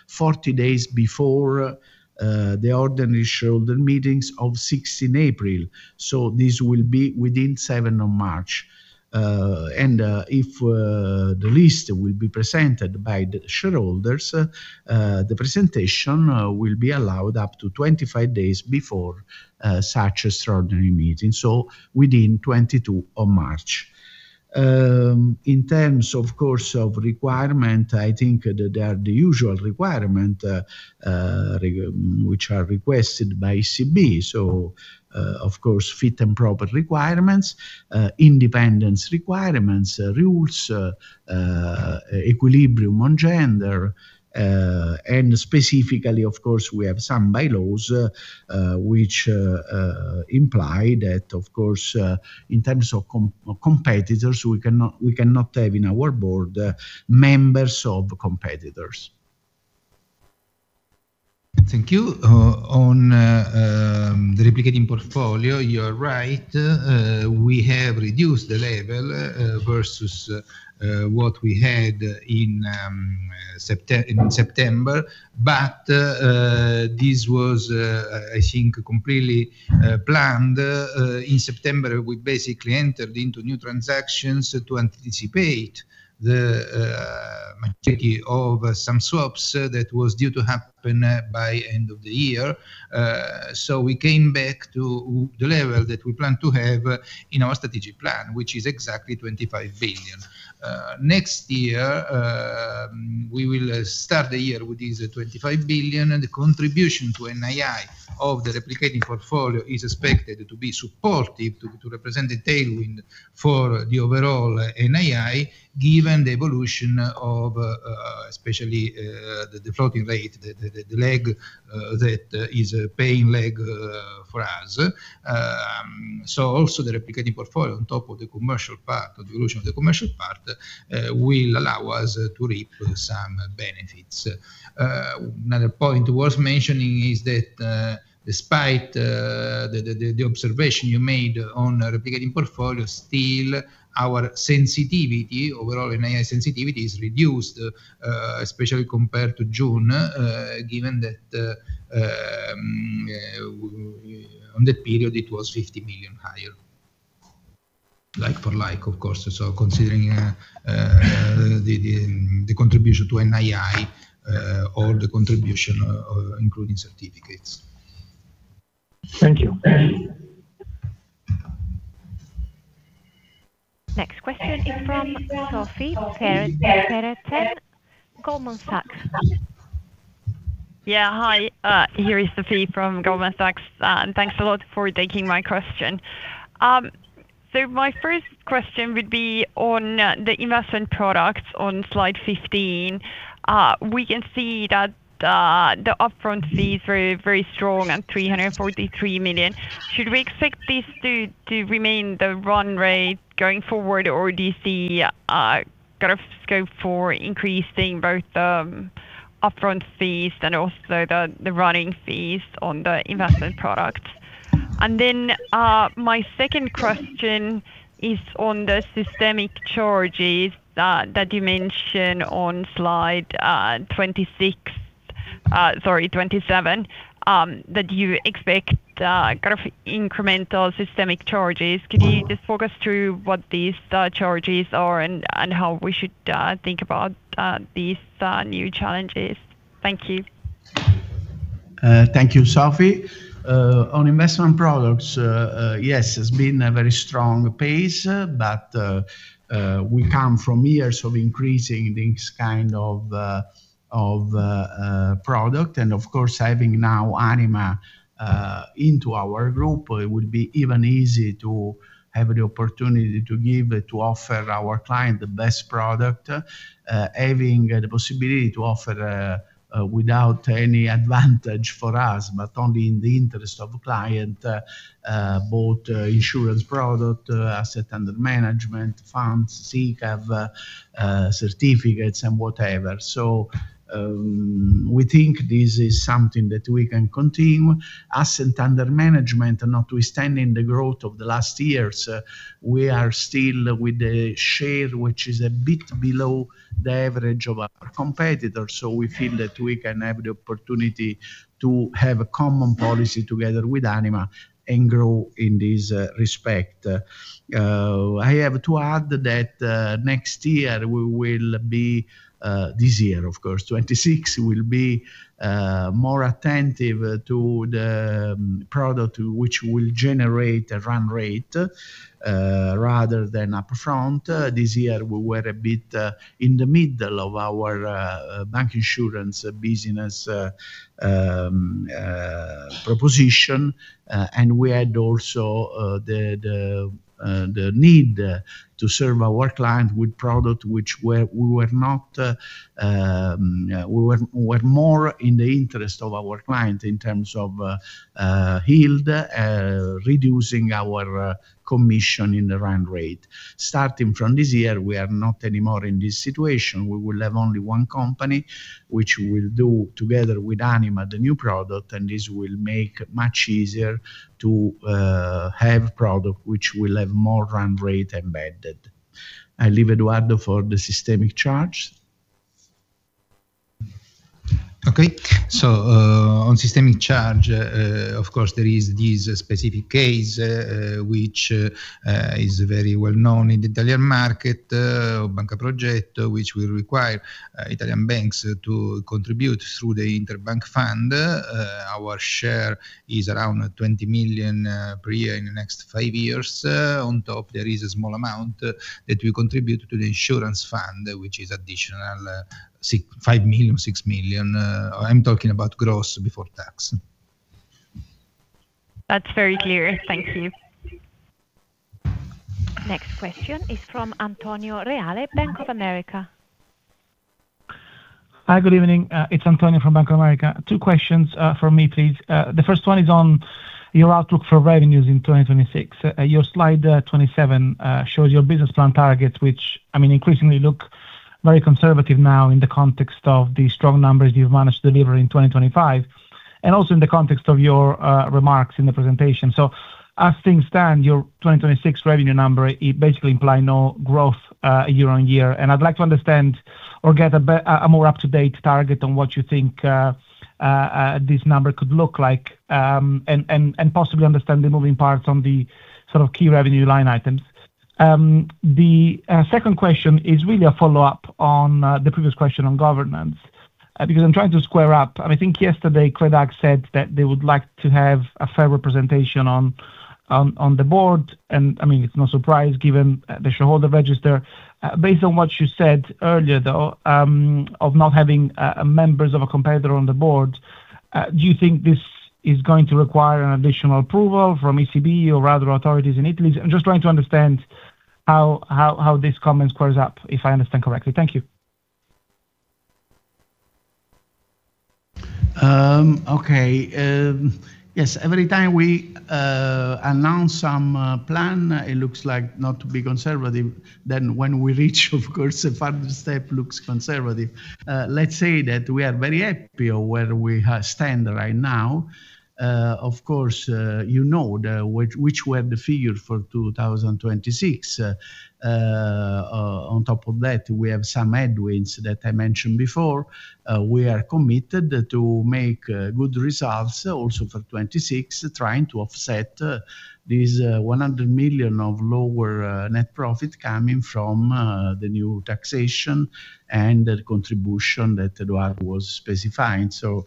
[SPEAKER 3] 40 days before the ordinary shareholder meetings of 16 April. So this will be within 7 March. If the list will be presented by the shareholders, the presentation will be allowed up to 25 days before such extraordinary meetings, so within 22 March. In terms, of course, of requirements, I think that there are the usual requirements which are requested by ECB. So, of course, fit and proper requirements, independence requirements, rules, equilibrium on gender, and specifically, of course, we have some bylaws which imply that, of course, in terms of competitors, we cannot have in our board members of competitors.
[SPEAKER 4] Thank you. On the replicating portfolio, you are right. We have reduced the level versus what we had in September, but this was, I think, completely planned. In September, we basically entered into new transactions to anticipate the majority of some swaps that was due to happen by the end of the year. So we came back to the level that we planned to have in our strategic plan, which is exactly 25 billion. Next year, we will start the year with this 25 billion, and the contribution to NII of the replicating portfolio is expected to be supportive, to represent a tailwind for the overall NII given the evolution of especially the floating rate, the leg that is paying leg for us. So also, the replicating portfolio, on top of the commercial part, the evolution of the commercial part, will allow us to reap some benefits. Another point worth mentioning is that despite the observation you made on replicating portfolio, still our sensitivity, overall NII sensitivity, is reduced, especially compared to June, given that on that period it was 50 million higher.
[SPEAKER 3] Like for like, of course, so considering the contribution to NII or the contribution including certificates.
[SPEAKER 5] Thank you.
[SPEAKER 1] Next question is from Sofie Peterzéns, Goldman Sachs..
[SPEAKER 6] Yeah, hi Here is Sofie from Goldman Sachs, and thanks a lot for taking my question. So my first question would be on the investment products on slide 15. We can see that the upfront fees were very strong at 343 million. Should we expect this to remain the run rate going forward, or do you see kind of scope for increasing both the upfront fees and also the running fees on the investment products? And then my second question is on the systemic charges that you mentioned on slide 26, sorry, 27, that you expect kind of incremental systemic charges. Could you just walk us through what these charges are and how we should think about these new challenges? Thankyou.
[SPEAKER 3] Thank you, Sofie. On investment products, yes, it's been a very strong pace, but we come from years of increasing this kind of product. And, of course, having now Anima into our group, it would be even easier to have the opportunity to give, to offer our client the best product, having the possibility to offer without any advantage for us, but only in the interest of the client, both insurance product, asset under management, funds, SICAV, certificates, and whatever. So we think this is something that we can continue. Asset under management, notwithstanding the growth of the last years, we are still with a share which is a bit below the average of our competitors. So we feel that we can have the opportunity to have a common policy together with Anima and grow in this respect. I have to add that next year we will be, this year, of course, 2026 will be more attentive to the product which will generate a run rate rather than upfront. This year, we were a bit in the middle of our bank insurance business proposition, and we had also the need to serve our client with products which were not, we were more in the interest of our client in terms of yield, reducing our commission in the run rate. Starting from this year, we are not anymore in this situation. We will have only one company which will do together with Anima the new product, and this will make it much easier to have products which will have more run rate embedded. I leave Edoardo for the systemic charges.
[SPEAKER 4] Okay. So on systemic charge, of course, there is this specific case which is very well known in the Italian market, Banca Progetto, which will require Italian banks to contribute through the Interbank Fund. Our share is around 20 million per year in the next five years. On top, there is a small amount that we contribute to the insurance fund, which is additional 5 million, 6 million. I'm talking about gross before tax.
[SPEAKER 6] That's very clear. Thank you.
[SPEAKER 1] Next question is from Antonio Reale, Bank of America.
[SPEAKER 7] Hi, good evening. It's Antonio from Bank of America. Two questions for me, please. The first one is on your outlook for revenues in 2026. Your slide 27 shows your business plan targets, which, I mean, increasingly look very conservative now in the context of the strong numbers you've managed to deliver in 2025 and also in the context of your remarks in the presentation. So as things stand, your 2026 revenue number basically implies no growth year-on-year. I'd like to understand or get a more up-to-date target on what you think this number could look like and possibly understand the moving parts on the sort of key revenue line items. The second question is really a follow-up on the previous question on governance because I'm trying to square up. I think yesterday, Crédit Agricole said that they would like to have a fair representation on the board. And, I mean, it's no surprise given the shareholder register. Based on what you said earlier, though, of not having members of a competitor on the board, do you think this is going to require an additional approval from ECB or other authorities in Italy? I'm just trying to understand how this comment squares up, if I understand correctly. Thank you.
[SPEAKER 3] Okay. Yes, every time we announce some plan, it looks like not to be conservative. Then when we reach, of course, a further step, it looks conservative. Let's say that we are very happy with where we stand right now. Of course, you know which were the figures for 2026. On top of that, we have some headwinds that I mentioned before. We are committed to make good results also for 2026, trying to offset this 100 million of lower net profit coming from the new taxation and the contribution that Edoardo was specifying. So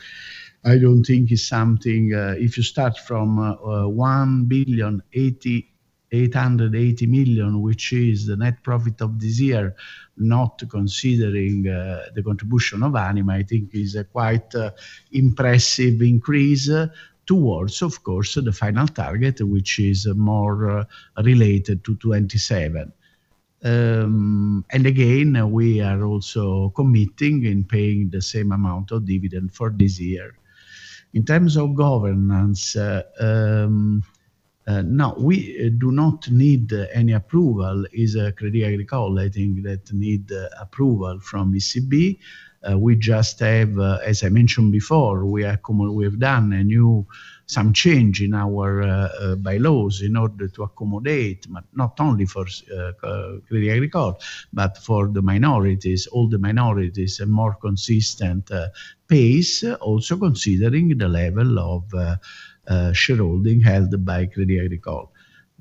[SPEAKER 3] I don't think it's something if you start from 1,880 million, which is the net profit of this year, not considering the contribution of Anima, I think it's a quite impressive increase towards, of course, the final target, which is more related to 2027. And again, we are also committing in paying the same amount of dividend for this year. In terms of governance, no, we do not need any approval. It's Crédit Agricole. I think that needs approval from ECB. We just have, as I mentioned before, we have done some change in our bylaws in order to accommodate, not only for Crédit Agricole, but for the minorities, all the minorities, a more consistent pace, also considering the level of shareholding held by Crédit Agricole.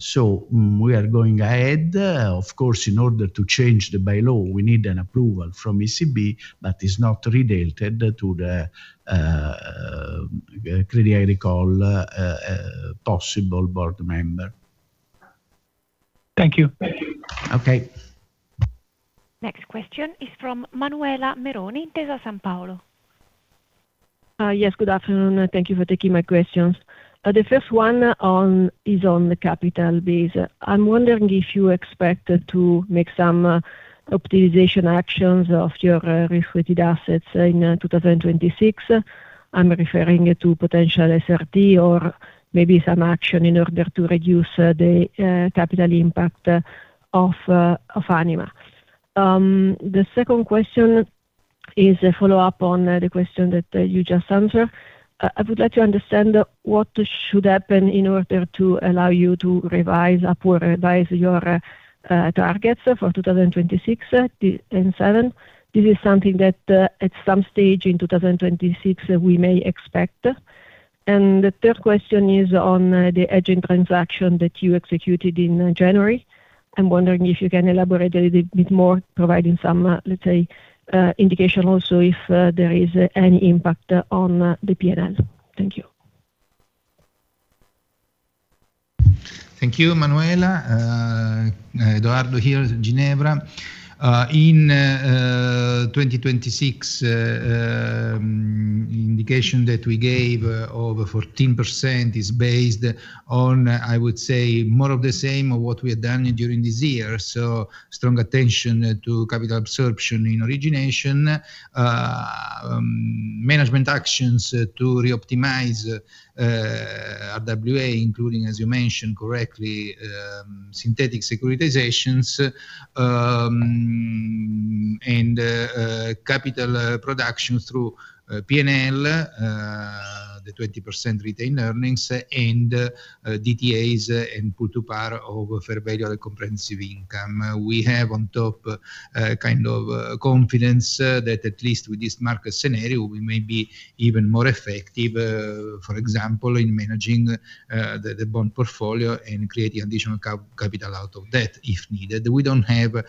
[SPEAKER 3] So we are going ahead. Of course, in order to change the bylaw, we need an approval from ECB, but it's not redirected to the Crédit Agricole possible board member.
[SPEAKER 7] Thank you.
[SPEAKER 3] Okay.
[SPEAKER 1] Next question is from Manuela Meroni, Intesa Sanpaolo.
[SPEAKER 8] Yes, good afternoon. Thank you for taking my questions. The first one is on the capital base. I'm wondering if you expect to make some optimization actions of your risk-weighted assets in 2026. I'm referring to potential SRT or maybe some action in order to reduce the capital impact of Anima. The second question is a follow-up on the question that you just answered. I would like to understand what should happen in order to allow you to revise up or revise your targets for 2026 and 2027. This is something that at some stage in 2026, we may expect. The third question is on the hedging transaction that you executed in January. I'm wondering if you can elaborate a little bit more, providing some, let's say, indication also if there is any impact on the P&L. Thank you.
[SPEAKER 4] Thank you, Manuela. Edoardo Ginevra here. In 2026, the indication that we gave of 14% is based on, I would say, more of the same of what we had done during this year. So strong attention to capital absorption in origination, management actions to reoptimize RWA, including, as you mentioned correctly, synthetic securitizations and capital production through P&L, the 20% retained earnings, and DTAs and pull to par of fair value and comprehensive income. We have, on top, kind of confidence that at least with this market scenario, we may be even more effective, for example, in managing the bond portfolio and creating additional capital out of that if needed. We don't have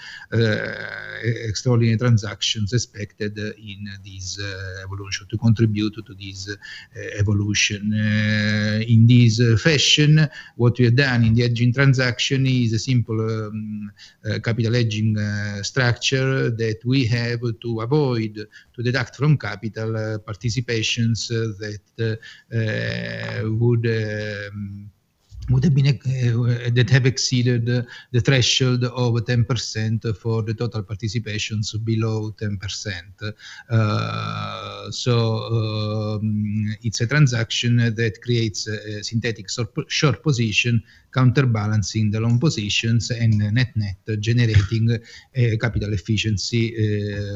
[SPEAKER 4] extraordinary transactions expected in this evolution to contribute to this evolution. In this fashion, what we have done in the hedging transaction is a simple capital hedging structure that we have to avoid, to deduct from capital participations that would have exceeded the threshold of 10% for the total participations below 10%. So it's a transaction that creates a synthetic short position counterbalancing the long positions and net-net generating capital efficiency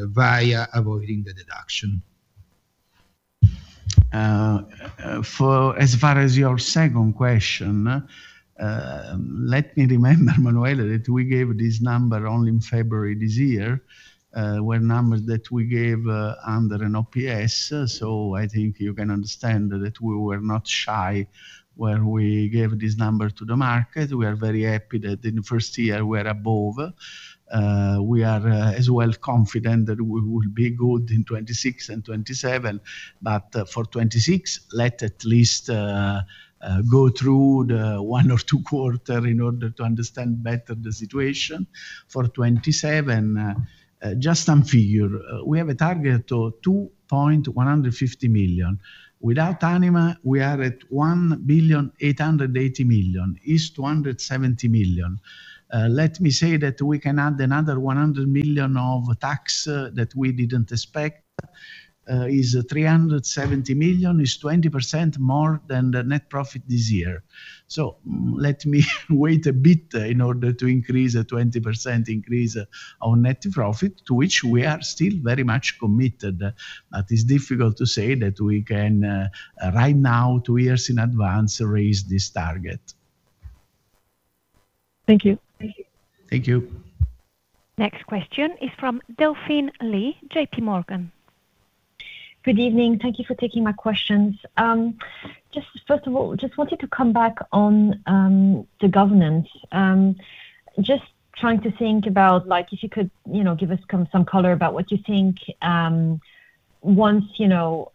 [SPEAKER 4] via avoiding the deduction.
[SPEAKER 3] As far as your second question, let me remember, Manuela, that we gave this number only in February this year. We're numbers that we gave under an OPS. So I think you can understand that we were not shy when we gave this number to the market. We are very happy that in the first year, we were above. We are as well confident that we will be good in 2026 and 2027. But for 2026, let at least go through one or two quarters in order to understand better the situation. For 2027, just some figure. We have a target of 2,150 million. Without Anima, we are at 1,880 million. It's 270 million. Let me say that we can add another 100 million of tax that we didn't expect. It's 370 million. It's 20% more than the net profit this year. So let me wait a bit in order to increase a 20% increase on net profit, to which we are still very much committed. But it's difficult to say that we can, right now, two years in advance, raise this target.
[SPEAKER 8] Thank you.
[SPEAKER 3] Thank you.
[SPEAKER 1] Next question is from Delphine Lee, JPMorgan.
[SPEAKER 9] Good evening. Thank you for taking my questions. First of all, I just wanted to come back on the governance. Just trying to think about if you could give us some color about what you think once Crédit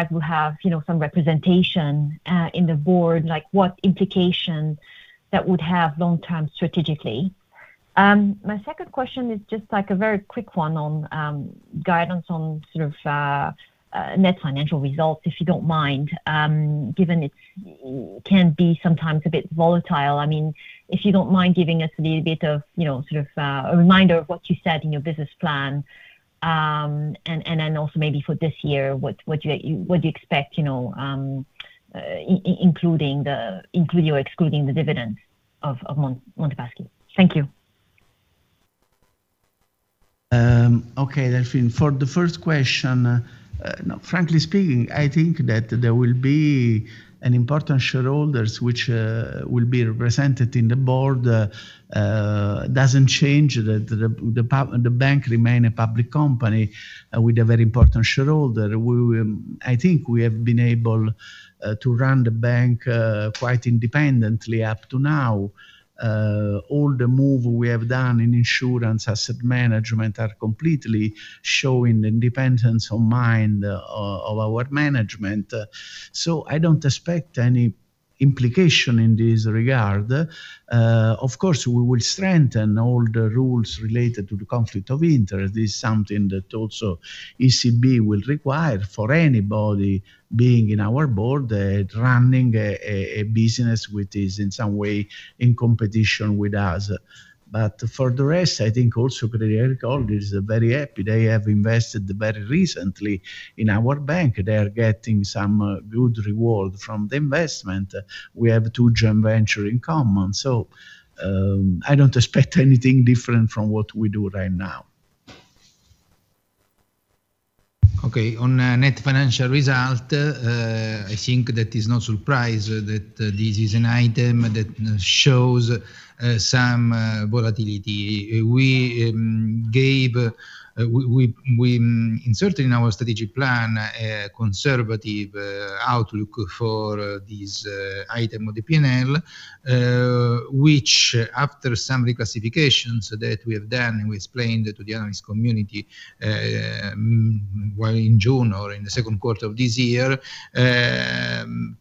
[SPEAKER 9] Agricole will have some representation in the board, what implication that would have long-term strategically. My second question is just a very quick one on guidance on sort of net financial results, if you don't mind, given it can be sometimes a bit volatile. I mean, if you don't mind giving us a little bit of sort of a reminder of what you said in your business plan and then also maybe for this year, what do you expect including or excluding the dividends of Monte Paschi. Thank you.
[SPEAKER 3] Okay, Delphine. For the first question, frankly speaking, I think that there will be important shareholders which will be represented in the board. It doesn't change that the bank remains a public company with a very important shareholder. I think we have been able to run the bank quite independently up to now. All the moves we have done in insurance asset management are completely showing the independence of mind of our management. I don't expect any implication in this regard. Of course, we will strengthen all the rules related to the conflict of interest. This is something that also ECB will require for anybody being in our board running a business which is in some way in competition with us. But for the rest, I think also Crédit Agricole is very happy. They have invested very recently in our bank. They are getting some good reward from the investment. We have two joint ventures in common. So I don't expect anything different from what we do right now.
[SPEAKER 4] Okay. On net financial result, I think that it's no surprise that this is an item that shows some volatility. We inserted in our strategic plan a conservative outlook for this item of the P&L, which, after some reclassifications that we have done and we explained to the analyst community in June or in the Q2 of this year,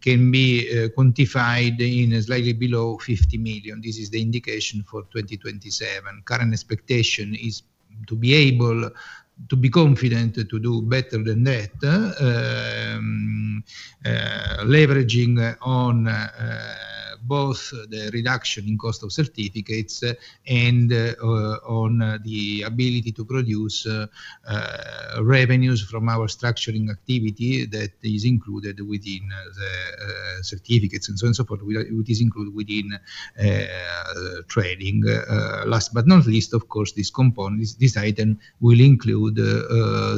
[SPEAKER 4] can be quantified in slightly below 50 million. This is the indication for 2027. Current expectation is to be able to be confident to do better than that, leveraging on both the reduction in cost of certificates and on the ability to produce revenues from our structuring activity that is included within the certificates and so on and so forth, which is included within trading. Last but not least, of course, this item will include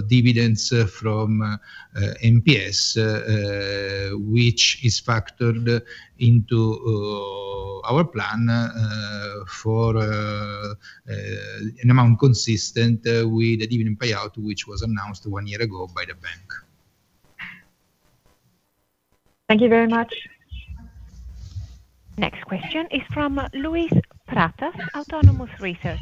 [SPEAKER 4] dividends from MPS, which is factored into our plan for an amount consistent with the dividend payout which was announced one year ago by the bank.
[SPEAKER 9] Thank you very much.
[SPEAKER 1] Next question is from Luís Pratas, Autonomous Research.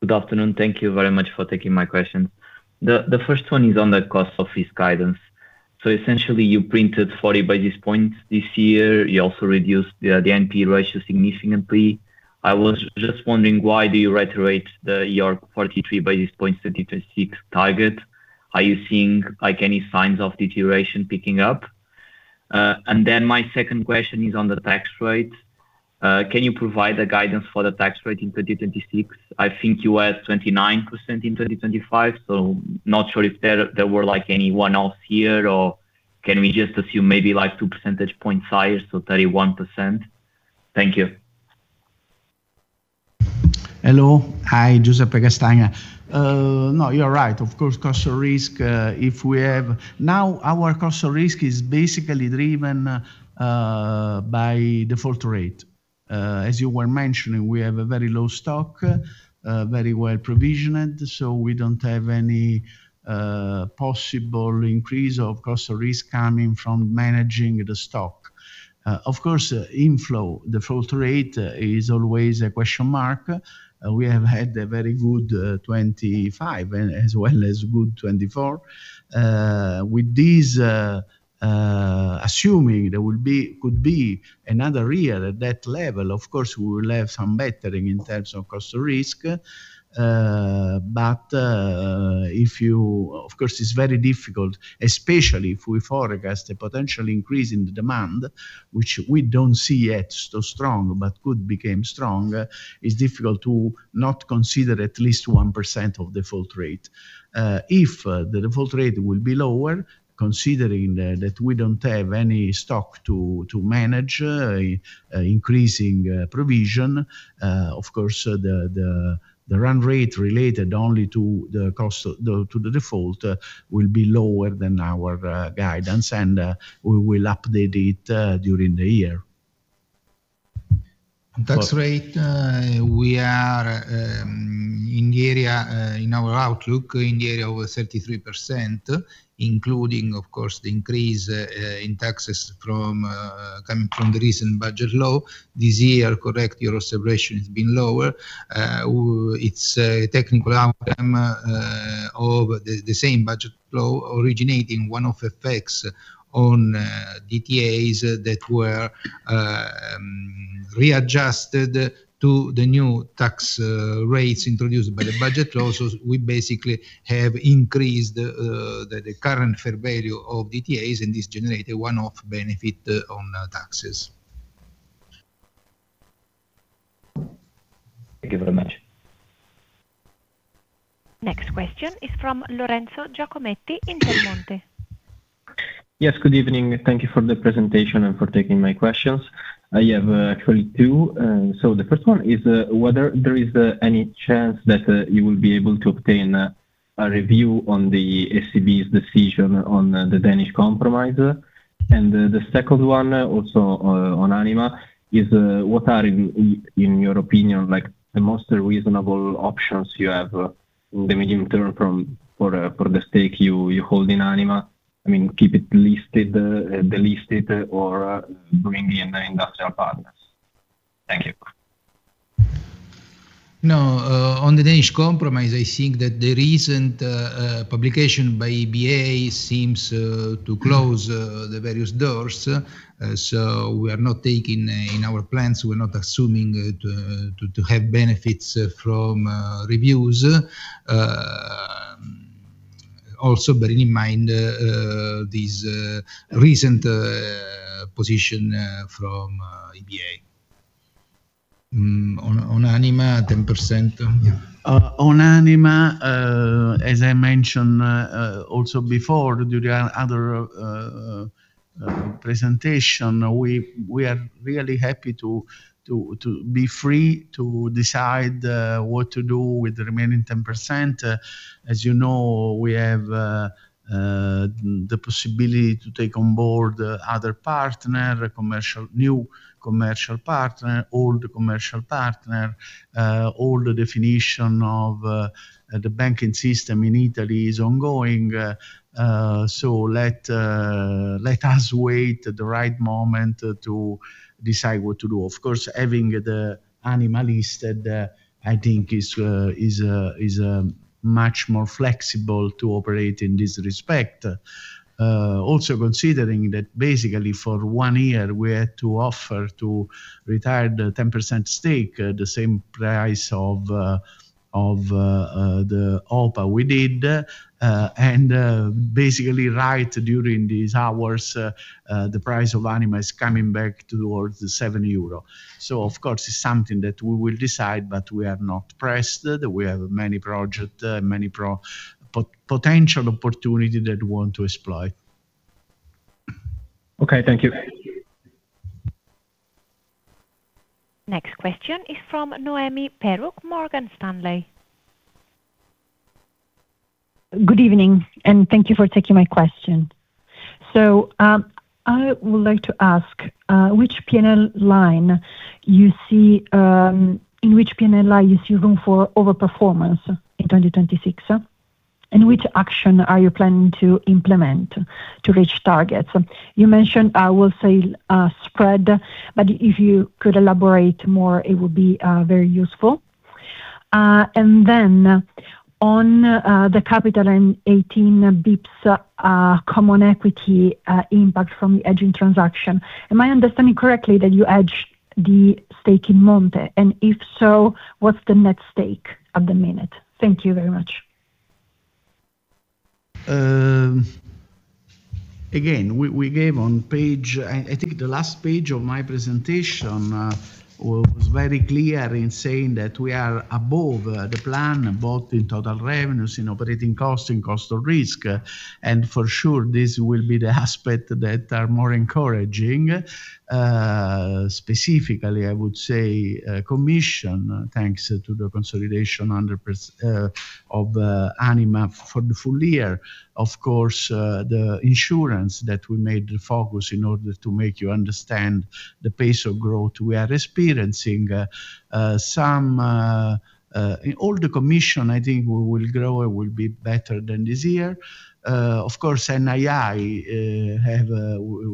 [SPEAKER 10] Good afternoon. Thank you very much for taking my questions. The first one is on the cost of risk guidance. So essentially, you printed 40 basis points this year. You also reduced the NP ratio significantly. I was just wondering, why do you reiterate the 43 basis points 2026 target? Are you seeing any signs of deterioration picking up? And then my second question is on the tax rate. Can you provide guidance for the tax rate in 2026? I think you had 29% in 2025, so not sure if there were any one-offs here or can we just assume maybe 2 percentage points higher, so 31%? Thank you.
[SPEAKER 3] Hello. Hi, Giuseppe Castagna. No, you're right. Of course, cost of risk, if we have now, our cost of risk is basically driven by default rate. As you were mentioning, we have a very low stock, very well provisioned, so we don't have any possible increase of cost of risk coming from managing the stock. Of course, inflow, the default rate is always a question mark. We have had a very good 2025 as well as good 2024. With this assuming, there could be another year at that level, of course, we will have some bettering in terms of cost of risk. But of course, it's very difficult, especially if we forecast a potential increase in the demand, which we don't see yet so strong but could become strong, it's difficult to not consider at least 1% of default rate. If the default rate will be lower, considering that we don't have any stock to manage, increasing provision, of course, the run rate related only to the cost to the default will be lower than our guidance, and we will update it during the year.
[SPEAKER 4] Tax rate, we are in our outlook in the area of 33%, including, of course, the increase in taxes coming from the recent budget law. This year, correct, your observation has been lower. It's a technical outcome of the same budget law originating one-off effects on DTAs that were readjusted to the new tax rates introduced by the budget law. So we basically have increased the current fair value of DTAs, and this generated one-off benefit on taxes.
[SPEAKER 10] Thank you very much.
[SPEAKER 1] Next question is from Fabrizio Bernardi in Intermonte.
[SPEAKER 11] Yes, good evening. Thank you for the presentation and for taking my questions. I have actually two. So the first one is whether there is any chance that you will be able to obtain a review on the ECB's decision on the Danish compromise. And the second one, also on Anima, is what are, in your opinion, the most reasonable options you have in the medium term for the stake you hold in Anima? I mean, keep it listed, delist it, or bring in the industrial partners? Thank you.
[SPEAKER 3] No, on the Danish compromise, I think that the recent publication by EBA seems to close the various doors. So we are not taking in our plans, we're not assuming to have benefits from reviews. Also, bearing in mind this recent position from EBA. On Anima, 10%? Yeah. On Anima, as I mentioned also before during our other presentation, we are really happy to be free to decide what to do with the remaining 10%. As you know, we have the possibility to take on board other partners, new commercial partner, old commercial partner. All the definition of the banking system in Italy is ongoing. So let us wait the right moment to decide what to do. Of course, having the Anima listed, I think, is much more flexible to operate in this respect, also considering that basically for one year, we had to offer to the remaining 10% stake the same price of the OPA we did and basically right during these hours the price of Anima is coming back towards 7 euro. So, of course, it's something that we will decide, but we are not pressed. We have many projects, many potential opportunities that we want to exploit.
[SPEAKER 11] Okay. Thank you.
[SPEAKER 1] Next question is from Noemi Peruch, Morgan Stanley.
[SPEAKER 12] Good evening, and thank you for taking my question. So I would like to ask which P&L line you see room for overperformance in 2026, and which action are you planning to implement to reach targets? You mentioned, I will say, spread, but if you could elaborate more, it would be very useful. And then on the capital and 18 basis points common equity impact from the hedging transaction, am I understanding correctly that you hedged the stake in Monte? And if so, what's the net stake at the minute? Thank you very much.
[SPEAKER 3] Again, we gave on page I think the last page of my presentation was very clear in saying that we are above the plan, both in total revenues, in operating costs, in cost of risk. For sure, this will be the aspect that are more encouraging. Specifically, I would say commissions, thanks to the consolidation of Anima for the full year. Of course, the insurance that we made the focus in order to make you understand the pace of growth we are experiencing. All the commissions, I think, will grow and will be better than this year. Of course, NII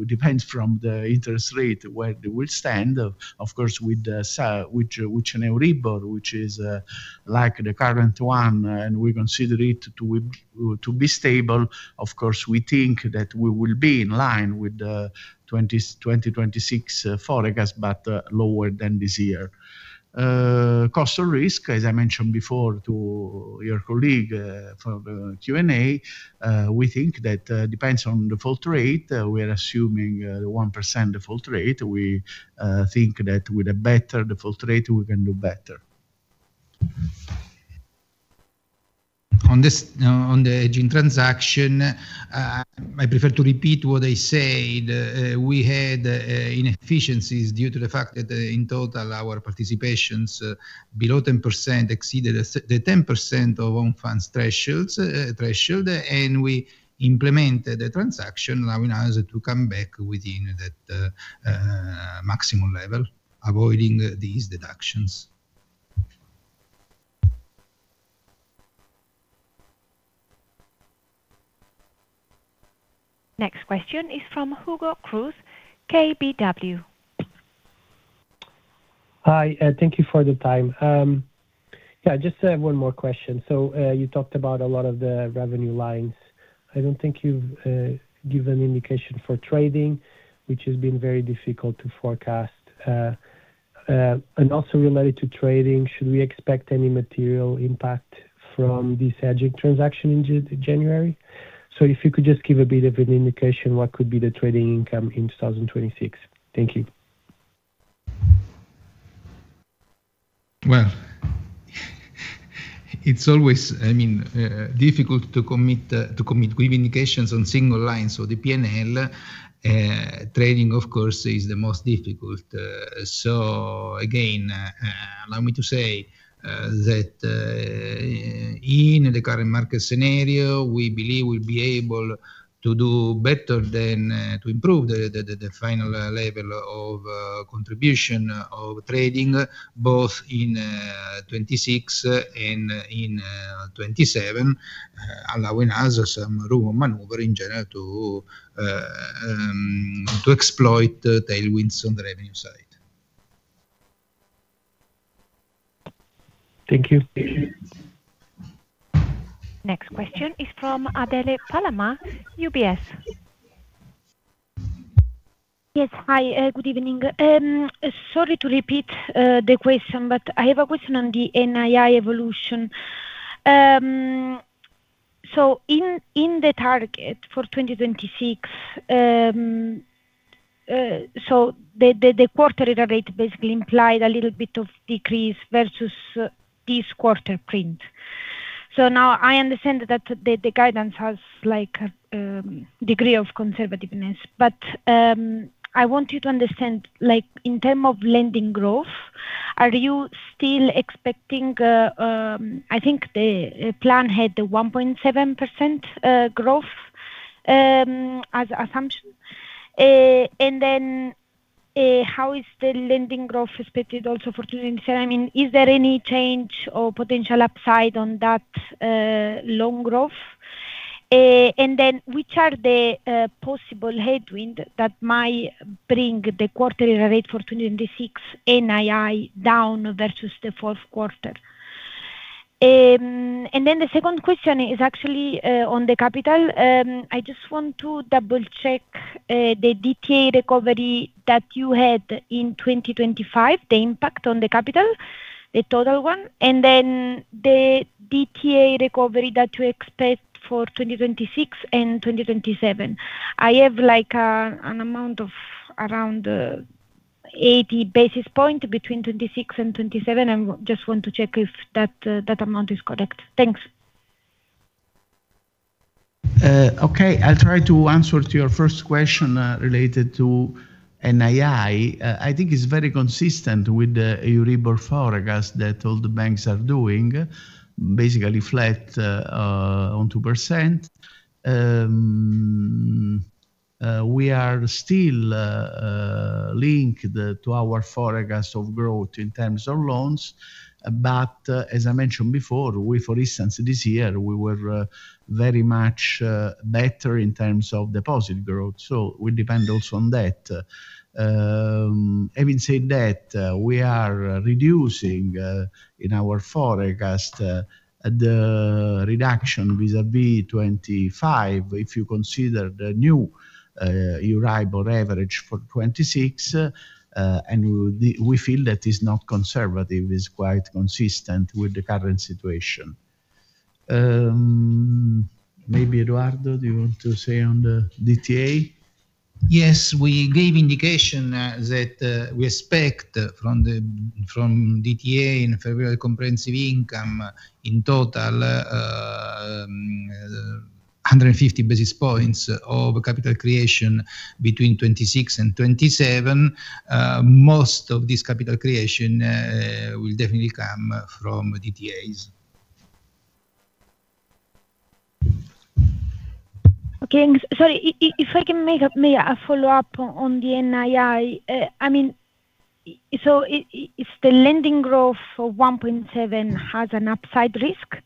[SPEAKER 3] depends from the interest rate where it will stand. Of course, with Euribor, which is like the current one, and we consider it to be stable, of course, we think that we will be in line with 2026 forecast but lower than this year. Cost of risk, as I mentioned before to your colleague for Q&A, we think that depends on the default rate. We are assuming the 1% default rate. We think that with a better default rate, we can do better.
[SPEAKER 4] On the hedging transaction, I prefer to repeat what I said. We had inefficiencies due to the fact that in total, our participations below 10% exceeded the 10% of own funds threshold, and we implemented the transaction allowing us to come back within that maximum level, avoiding these deductions.
[SPEAKER 1] Next question is from Hugo Cruz, KBW.
[SPEAKER 13] Hi. Thank you for the time. Yeah, just one more question. So you talked about a lot of the revenue lines. I don't think you've given an indication for trading, which has been very difficult to forecast. Also related to trading, should we expect any material impact from this hedging transaction in January? So if you could just give a bit of an indication, what could be the trading income in 2026? Thank you.
[SPEAKER 4] Well, it's always, I mean, difficult to commit with indications on single lines. So the P&L trading, of course, is the most difficult. So again, allow me to say that in the current market scenario, we believe we'll be able to do better than to improve the final level of contribution of trading, both in 2026 and in 2027, allowing us some room of maneuver in general to exploit tailwinds on the revenue side.
[SPEAKER 13] Thank you.
[SPEAKER 1] Next question is from Adele Palamá, UBS.
[SPEAKER 14] Yes. Hi. Good evening. Sorry to repeat the question, but I have a question on the NII evolution. So in the target for 2026, so the quarterly rate basically implied a little bit of decrease versus this quarter print. So now I understand that the guidance has a degree of conservativeness, but I want you to understand, in terms of lending growth, are you still expecting I think the plan had the 1.7% growth as an assumption? And then how is the lending growth expected also for 2027? I mean, is there any change or potential upside on that loan growth? And then which are the possible headwinds that might bring the quarterly rate for 2026 NII down versus the Q4? And then the second question is actually on the capital. I just want to double-check the DTA recovery that you had in 2025, the impact on the capital, the total one, and then the DTA recovery that you expect for 2026 and 2027. I have an amount of around 80 basis points between 2026 and 2027. I just want to check if that amount is correct. Thanks.
[SPEAKER 3] Okay. I'll try to answer to your first question related to NII. I think it's very consistent with the Euribor forecast that all the banks are doing, basically flat on 2%. We are still linked to our forecast of growth in terms of loans. But as I mentioned before, for instance, this year, we were very much better in terms of deposit growth. So we depend also on that. Having said that, we are reducing in our forecast the reduction vis-à-vis 2025 if you consider the new Euribor average for 2026, and we feel that it's not conservative, it's quite consistent with the current situation. Maybe Edoardo, do you want to say on the DTA?
[SPEAKER 4] Yes. We gave indication that we expect from DTA in February comprehensive income in total 150 basis points of capital creation between 2026 and 2027. Most of this capital creation will definitely come from DTAs.
[SPEAKER 14] Okay. Sorry. If I can make a follow-up on the NII. I mean, so if the lending growth of 1.7 has an upside risk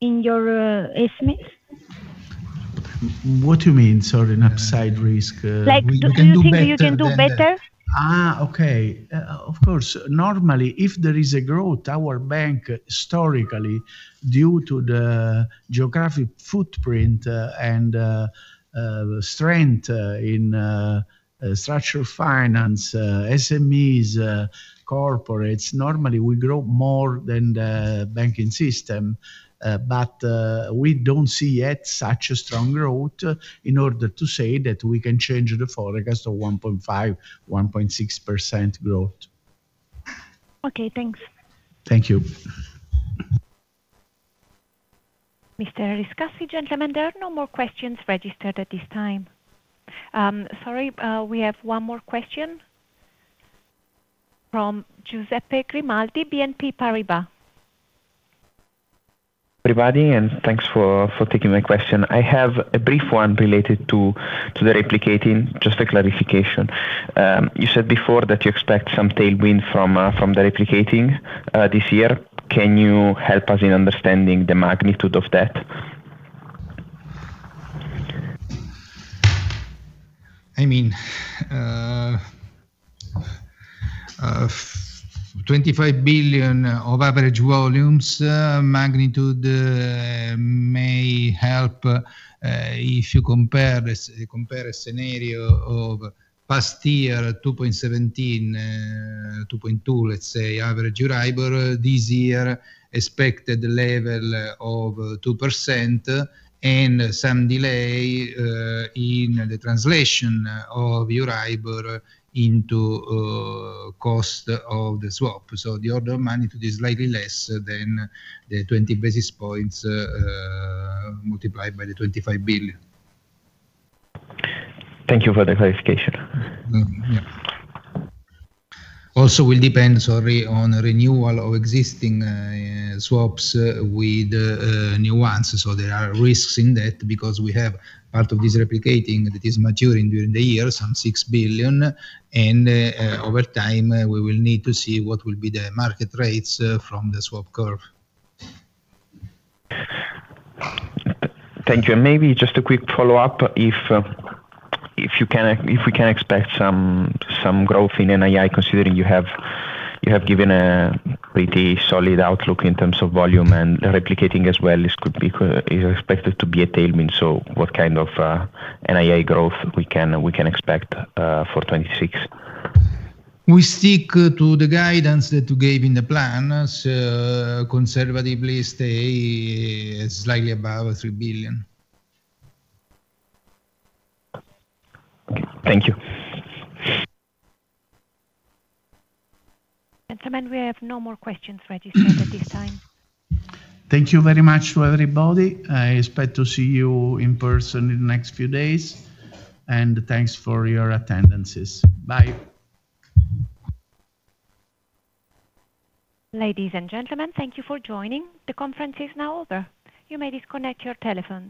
[SPEAKER 14] in your estimates?
[SPEAKER 4] What do you mean, sorry, an upside risk?
[SPEAKER 14] Do you think that you can do better?
[SPEAKER 3] Okay. Of course. Normally, if there is a growth, our bank, historically, due to the geographic footprint and strength in structured finance, SMEs, corporates, normally, we grow more than the banking system. But we don't see yet such a strong growth in order to say that we can change the forecast of 1.5%-1.6% growth.
[SPEAKER 14] Okay. Thanks.
[SPEAKER 3] Thank you.
[SPEAKER 1] Mr. Riscassi, gentlemen, there are no more questions registered at this time. Sorry. We have one more question from Giuseppe Grimaldi, BNP Paribas.
[SPEAKER 15] Good evening, and thanks for taking my question. I have a brief one related to the replicating, just a clarification. You said before that you expect some tailwind from the replicating this year. Can you help us in understanding the magnitude of that?
[SPEAKER 4] I mean, 25 billion of average volumes, magnitude may help if you compare a scenario of past year 2.17-2.2, let's say, average Euribor, this year expected level of 2% and some delay in the translation of Euribor into cost of the swap. So the order of magnitude is slightly less than the 20 basis points multiplied by the 25 billion.
[SPEAKER 15] Thank you for the clarification.
[SPEAKER 4] Yeah. Also, we'll depend, sorry, on renewal of existing swaps with new ones. So there are risks in that because we have part of this replicating that is maturing during the year, some 6 billion, and over time, we will need to see what will be the market rates from the swap curve.
[SPEAKER 15] Thank you. Maybe just a quick follow-up if we can expect some growth in NII considering you have given a pretty solid outlook in terms of volume and replicating as well. It's expected to be a tailwind. What kind of NII growth we can expect for 2026?
[SPEAKER 4] We stick to the guidance that you gave in the plan. Conservatively, stay slightly above EUR 3 billion.
[SPEAKER 15] Okay. Thank you.
[SPEAKER 1] Gentlemen, we have no more questions registered at this time.
[SPEAKER 3] Thank you very much to everybody. I expect to see you in person in the next few days. And thanks for your attendances. Bye.
[SPEAKER 1] Ladies and gentlemen, thank you for joining. The conference is now over. You may disconnect your telephone.